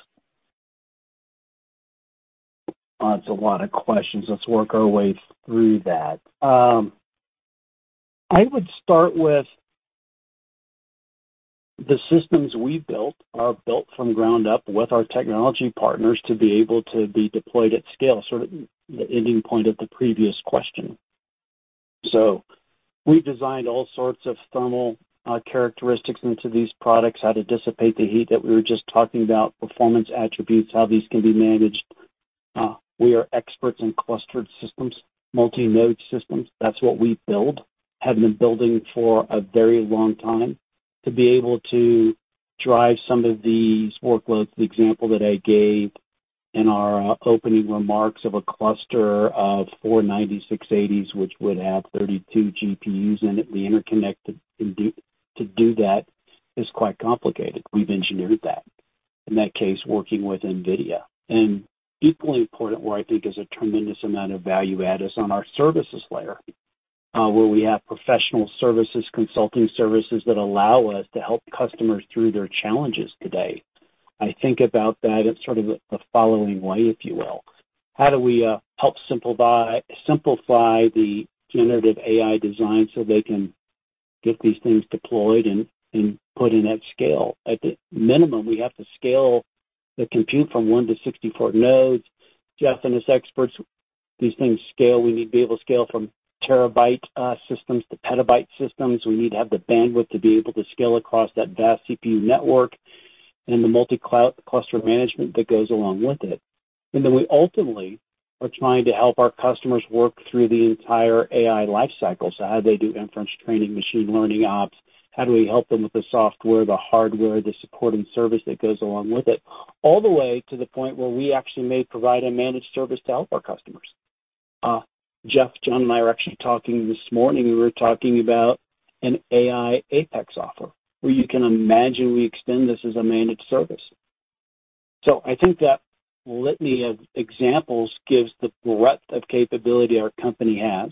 It's a lot of questions. Let's work our way through that. I would start with the systems we built are built from ground up with our technology partners to be able to be deployed at scale, sort of the ending point of the previous question. We designed all sorts of thermal characteristics into these products, how to dissipate the heat that we were just talking about, performance attributes, how these can be managed. We are experts in clustered systems, multi-node systems. That's what we build, have been building for a very long time. To be able to drive some of these workloads, the example that I gave in our opening remarks of a cluster of four 9680s, which would have 32 GPUs in it, the interconnect to do that is quite complicated. We've engineered that, in that case, working with NVIDIA. Equally important, where I think is a tremendous amount of value add, is on our services layer, where we have professional services, consulting services that allow us to help customers through their challenges today. I think about that in sort of the following way, if you will: How do we help simplify the generative AI design so they can get these things deployed and put in at scale? At the minimum, we have to scale the compute from one to 64 nodes. Jeff and his experts, these things scale. We need to be able to scale from terabyte systems to petabyte systems. We need to have the bandwidth to be able to scale across that vast CPU network and the multi-cloud cluster management that goes along with it. We ultimately are trying to help our customers work through the entire AI life cycle. How they do inference training, machine learning ops, how do we help them with the software, the hardware, the support and service that goes along with it, all the way to the point where we actually may provide a managed service to help our customers. Jeff, John, and I were actually talking this morning. We were talking about an AI APEX offer, where you can imagine we extend this as a managed service. I think that litany of examples gives the breadth of capability our company has,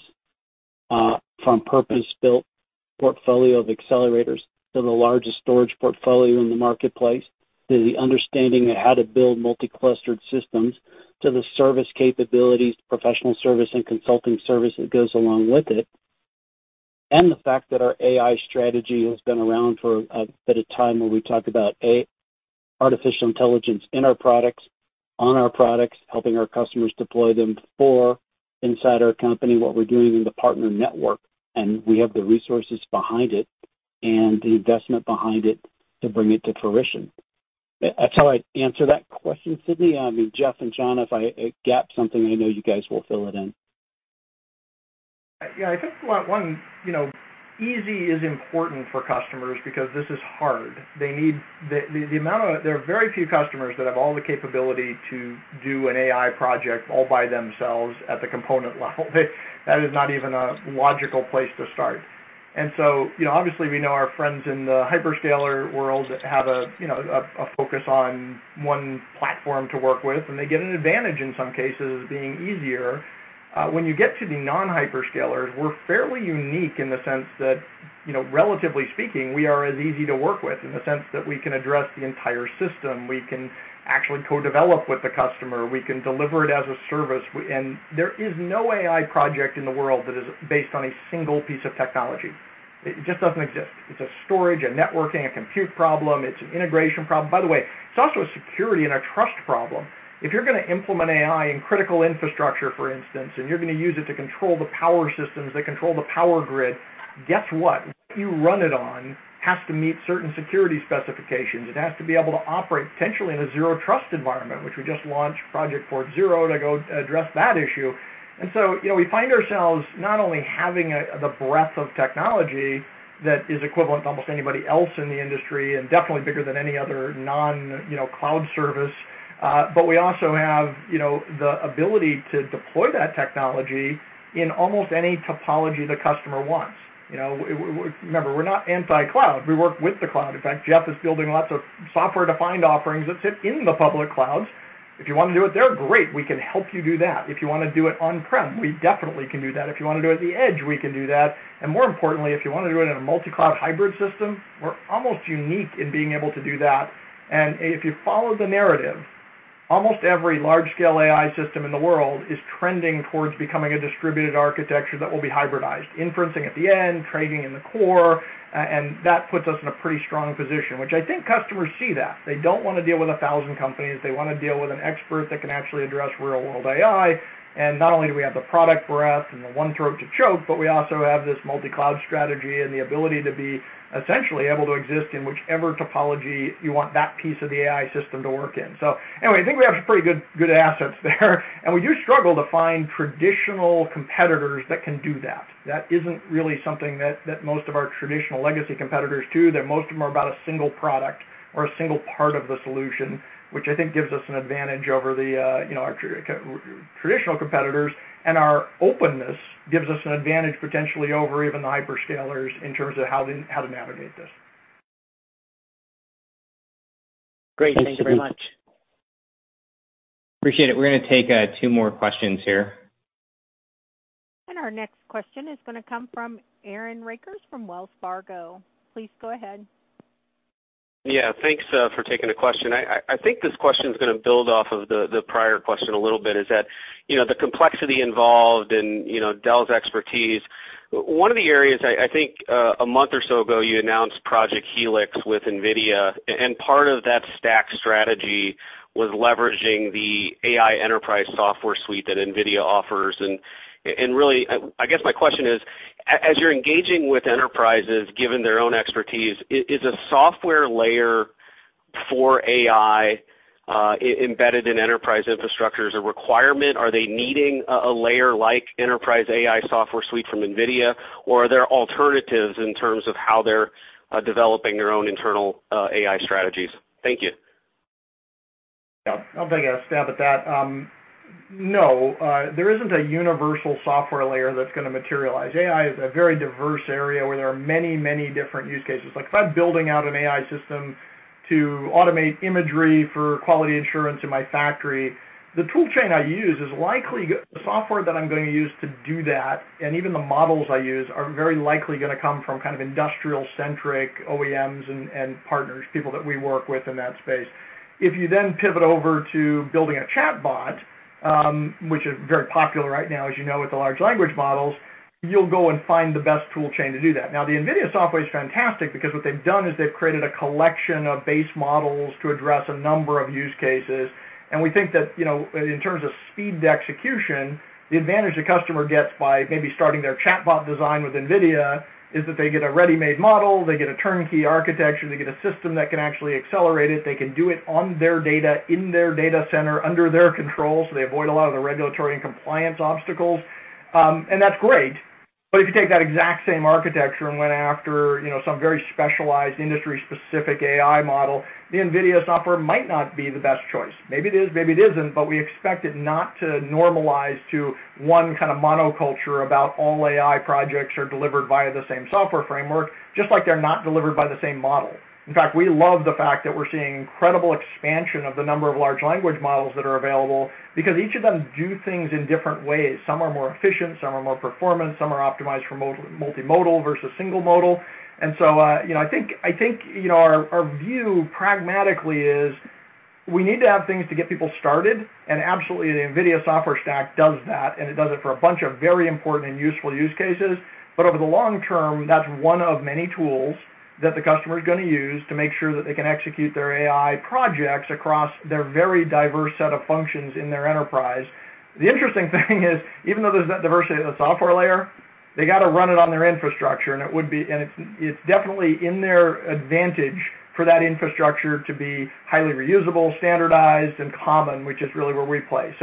from purpose-built portfolio of accelerators to the largest storage portfolio in the marketplace, to the understanding of how to build multi-clustered systems, to the service capabilities, professional service and consulting service that goes along with it. The fact that our AI strategy has been around for a bit of time, where we talk about, A, artificial intelligence in our products, on our products, helping our customers deploy them, four, inside our company, what we're doing in the partner network, and we have the resources behind it and the investment behind it to bring it to fruition. That's how I'd answer that question, Sidney. I mean, Jeff and John, if I gapped something, I know you guys will fill it in. Yeah, I think, one, you know, easy is important for customers because this is hard. There are very few customers that have all the capability to do an AI project all by themselves at the component level. That is not even a logical place to start. You know, obviously, we know our friends in the hyperscaler world have a focus on one platform to work with, and they get an advantage in some cases of being easier. When you get to the non-hyperscalers, we're fairly unique in the sense that, you know, relatively speaking, we are as easy to work with in the sense that we can address the entire system. We can actually co-develop with the customer. We can deliver it as a service. There is no AI project in the world that is based on a single piece of technology. It just doesn't exist. It's a storage, a networking, a compute problem. It's an integration problem. By the way, it's also a security and a trust problem. If you're going to implement AI in critical infrastructure, for instance, and you're going to use it to control the power systems, that control the power grid, guess what? What you run it on has to meet certain security specifications. It has to be able to operate potentially in a Zero Trust environment, which we just launched Project Fort Zero to go address that issue. You know, we find ourselves not only having the breadth of technology that is equivalent to almost anybody else in the industry and definitely bigger than any other non, you know, cloud service, but we also have, you know, the ability to deploy that technology in almost any topology the customer wants. You know, remember, we're not anti-cloud. We work with the cloud. In fact, Jeff is building lots of software-defined offerings that sit in the public clouds. If you want to do it, they're great. We can help you do that. If you want to do it on-prem, we definitely can do that. If you want to do it at the edge, we can do that. More importantly, if you want to do it in a multi-cloud hybrid system, we're almost unique in being able to do that. If you follow the narrative. Almost every large-scale AI system in the world is trending towards becoming a distributed architecture that will be hybridized, inferencing at the end, trading in the core, and that puts us in a pretty strong position, which I think customers see that. They don't want to deal with a thousand companies. They want to deal with an expert that can actually address real-world AI. Not only do we have the product breadth and the one throat to choke, but we also have this multi-cloud strategy and the ability to be essentially able to exist in whichever topology you want that piece of the AI system to work in. Anyway, I think we have some pretty good assets there, and we do struggle to find traditional competitors that can do that. That isn't really something that most of our traditional legacy competitors do, that most of them are about a single product or a single part of the solution, which I think gives us an advantage over the, you know, our traditional competitors, and our openness gives us an advantage potentially over even the hyperscalers in terms of how to navigate this. Great. Thanks very much. Appreciate it. We're going to take, two more questions here. Our next question is going to come from Aaron Rakers from Wells Fargo. Please go ahead. Yeah, thanks for taking the question. I think this question is going to build off of the prior question a little bit, is that, you know, the complexity involved and, you know, Dell's expertise. One of the areas I think a month or so ago, you announced Project Helix with NVIDIA, and part of that stack strategy was leveraging the AI enterprise software suite that NVIDIA offers. Really, I guess my question is, as you're engaging with enterprises, given their own expertise, is a software layer for AI embedded in enterprise infrastructure, is a requirement? Are they needing a layer like enterprise AI software suite from NVIDIA, or are there alternatives in terms of how they're developing their own internal AI strategies? Thank you. I'll take a stab at that. No, there isn't a universal software layer that's going to materialize. AI is a very diverse area where there are many different use cases. Like, if I'm building out an AI system to automate imagery for quality assurance in my factory, the software that I'm going to use to do that, and even the models I use, are very likely going to come from kind of industrial-centric OEMs and partners, people that we work with in that space. If you pivot over to building a chatbot, which is very popular right now, as you know, with the large language models, you'll go and find the best tool chain to do that. The NVIDIA software is fantastic because what they've done is they've created a collection of base models to address a number of use cases, we think that, you know, in terms of speed to execution, the advantage the customer gets by maybe starting their chatbot design with NVIDIA is that they get a ready-made model, they get a turnkey architecture, they get a system that can actually accelerate it. They can do it on their data, in their data center, under their control, so they avoid a lot of the regulatory and compliance obstacles. That's great. If you take that exact same architecture and went after, you know, some very specialized industry-specific AI model, the NVIDIA software might not be the best choice. Maybe it is, maybe it isn't, but we expect it not to normalize to one kind of monoculture about all AI projects are delivered via the same software framework, just like they're not delivered by the same model. In fact, we love the fact that we're seeing incredible expansion of the number of large language models that are available, because each of them do things in different ways. Some are more efficient, some are more performant, some are optimized for multimodal versus single modal. You know, I think, you know, our view pragmatically is, we need to have things to get people started, and absolutely, the NVIDIA software stack does that, and it does it for a bunch of very important and useful use cases. Over the long term, that's one of many tools that the customer is going to use to make sure that they can execute their AI projects across their very diverse set of functions in their enterprise. The interesting thing is, even though there's that diversity in the software layer, they got to run it on their infrastructure, and it's definitely in their advantage for that infrastructure to be highly reusable, standardized, and common, which is really where we play.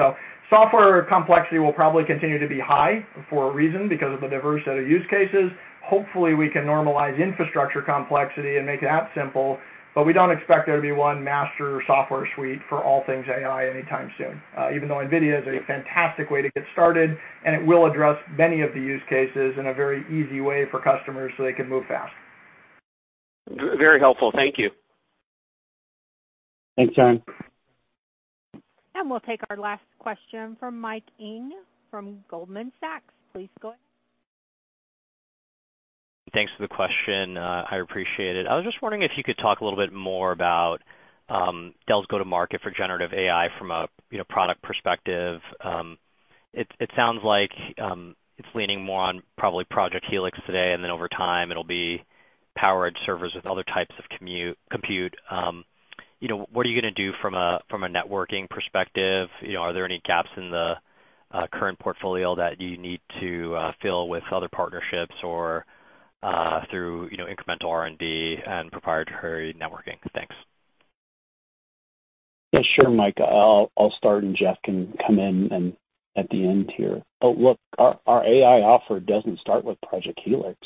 Software complexity will probably continue to be high for a reason, because of the diverse set of use cases. Hopefully, we can normalize infrastructure complexity and make that simple, but we don't expect there to be one master software suite for all things AI anytime soon, even though NVIDIA is a fantastic way to get started, and it will address many of the use cases in a very easy way for customers so they can move fast. Very helpful. Thank you. Thanks, Aaron. We'll take our last question from Mike Ng from Goldman Sachs. Please go ahead. Thanks for the question. I appreciate it. I was just wondering if you could talk a little bit more about Dell's go-to-market for generative AI from a, you know, product perspective. It sounds like it's leaning more on probably Project Helix today, and then over time, it'll be powered servers with other types of compute. You know, what are you going to do from a, from a networking perspective? You know, are there any gaps in the current portfolio that you need to fill with other partnerships or through, you know, incremental R&D and proprietary networking? Thanks. Yeah, sure, Mike. I'll start, Jeff can come in at the end here. Look, our AI offer doesn't start with Project Helix.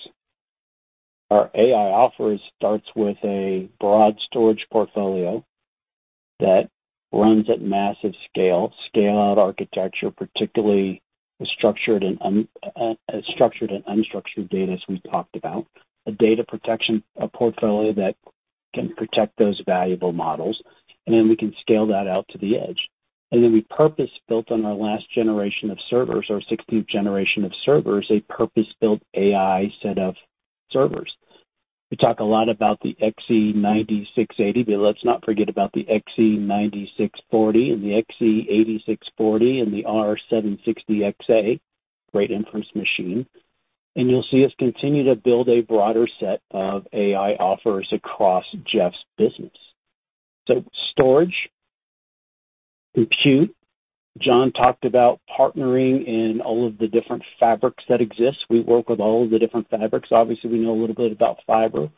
Our AI offer starts with a broad storage portfolio that runs at massive scale-out architecture, particularly structured and unstructured data, as we talked about, a data protection, a portfolio that can protect those valuable models, we can scale that out to the edge. We purpose-built on our last generation of servers, our sixteenth generation of servers, a purpose-built AI set of servers. We talk a lot about the XE9680, let's not forget about the XE9640 and the XE8640 and the R760xa, great inference machine. You'll see us continue to build a broader set of AI offers across Jeff's business. Storage, compute, John talked about partnering in all of the different fabrics that exist. We work with all of the different fabrics. Obviously, we know a little bit about Fibre,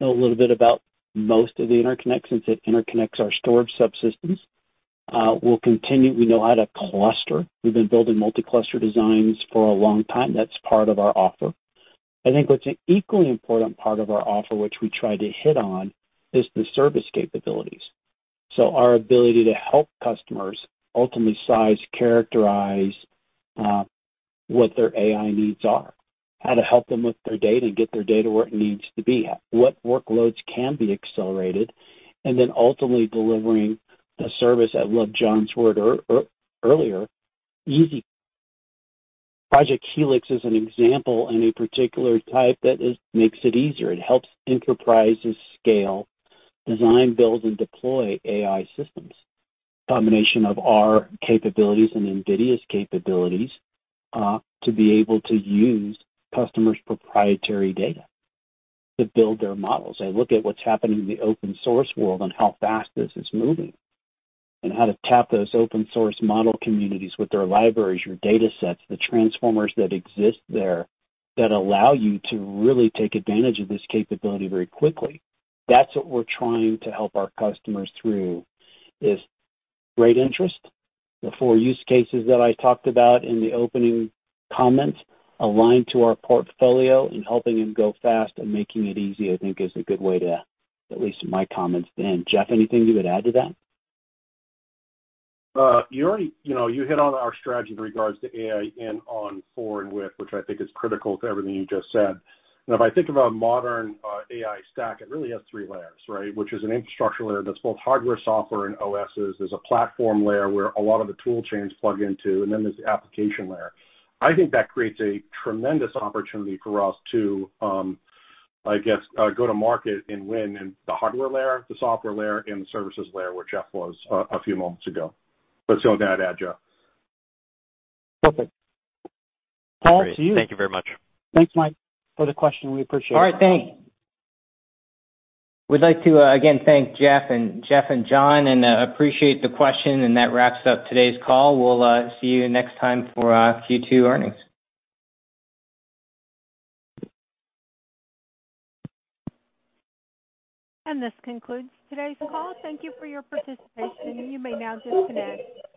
know a little bit about most of the interconnects, since it interconnects our storage subsystems. We'll continue. We know how to cluster. We've been building multi-cluster designs for a long time. That's part of our offer. I think what's an equally important part of our offer, which we try to hit on, is the service capabilities. Our ability to help customers ultimately size, characterize, what their AI needs are, how to help them with their data and get their data where it needs to be, what workloads can be accelerated, and then ultimately delivering the service. I love John's word earlier, easy. Project Helix is an example and a particular type that is makes it easier. It helps enterprises scale, design, build, and deploy AI systems, combination of our capabilities and NVIDIA's capabilities, to be able to use customers' proprietary data to build their models and look at what's happening in the open source world and how fast this is moving, and how to tap those open source model communities with their libraries, your data sets, the transformers that exist there, that allow you to really take advantage of this capability very quickly. That's what we're trying to help our customers through, is great interest. The four use cases that I talked about in the opening comments align to our portfolio, and helping them go fast and making it easy, I think, is a good way to at least my comments to end. Jeff, anything you would add to that? You already, you know, you hit on our strategy in regards to AI in, on, for, and with, which I think is critical to everything you just said. If I think about modern AI stack, it really has three layers, right? Which is an infrastructure layer that's both hardware, software, and OSes. There's a platform layer where a lot of the tool chains plug into, and then there's the application layer. I think that creates a tremendous opportunity for us to, I guess, go to market and win in the hardware layer, the software layer, and the services layer, where Jeff was a few moments ago. That's the only thing I'd add, Jeff. Perfect. Paul, to you. Thank you very much. Thanks, Mike, for the question. We appreciate it. All right, thanks. We'd like to again, thank Jeff and John, and appreciate the question, and that wraps up today's call. We'll see you next time for Q2 earnings. This concludes today's call. Thank you for your participation, and you may now disconnect.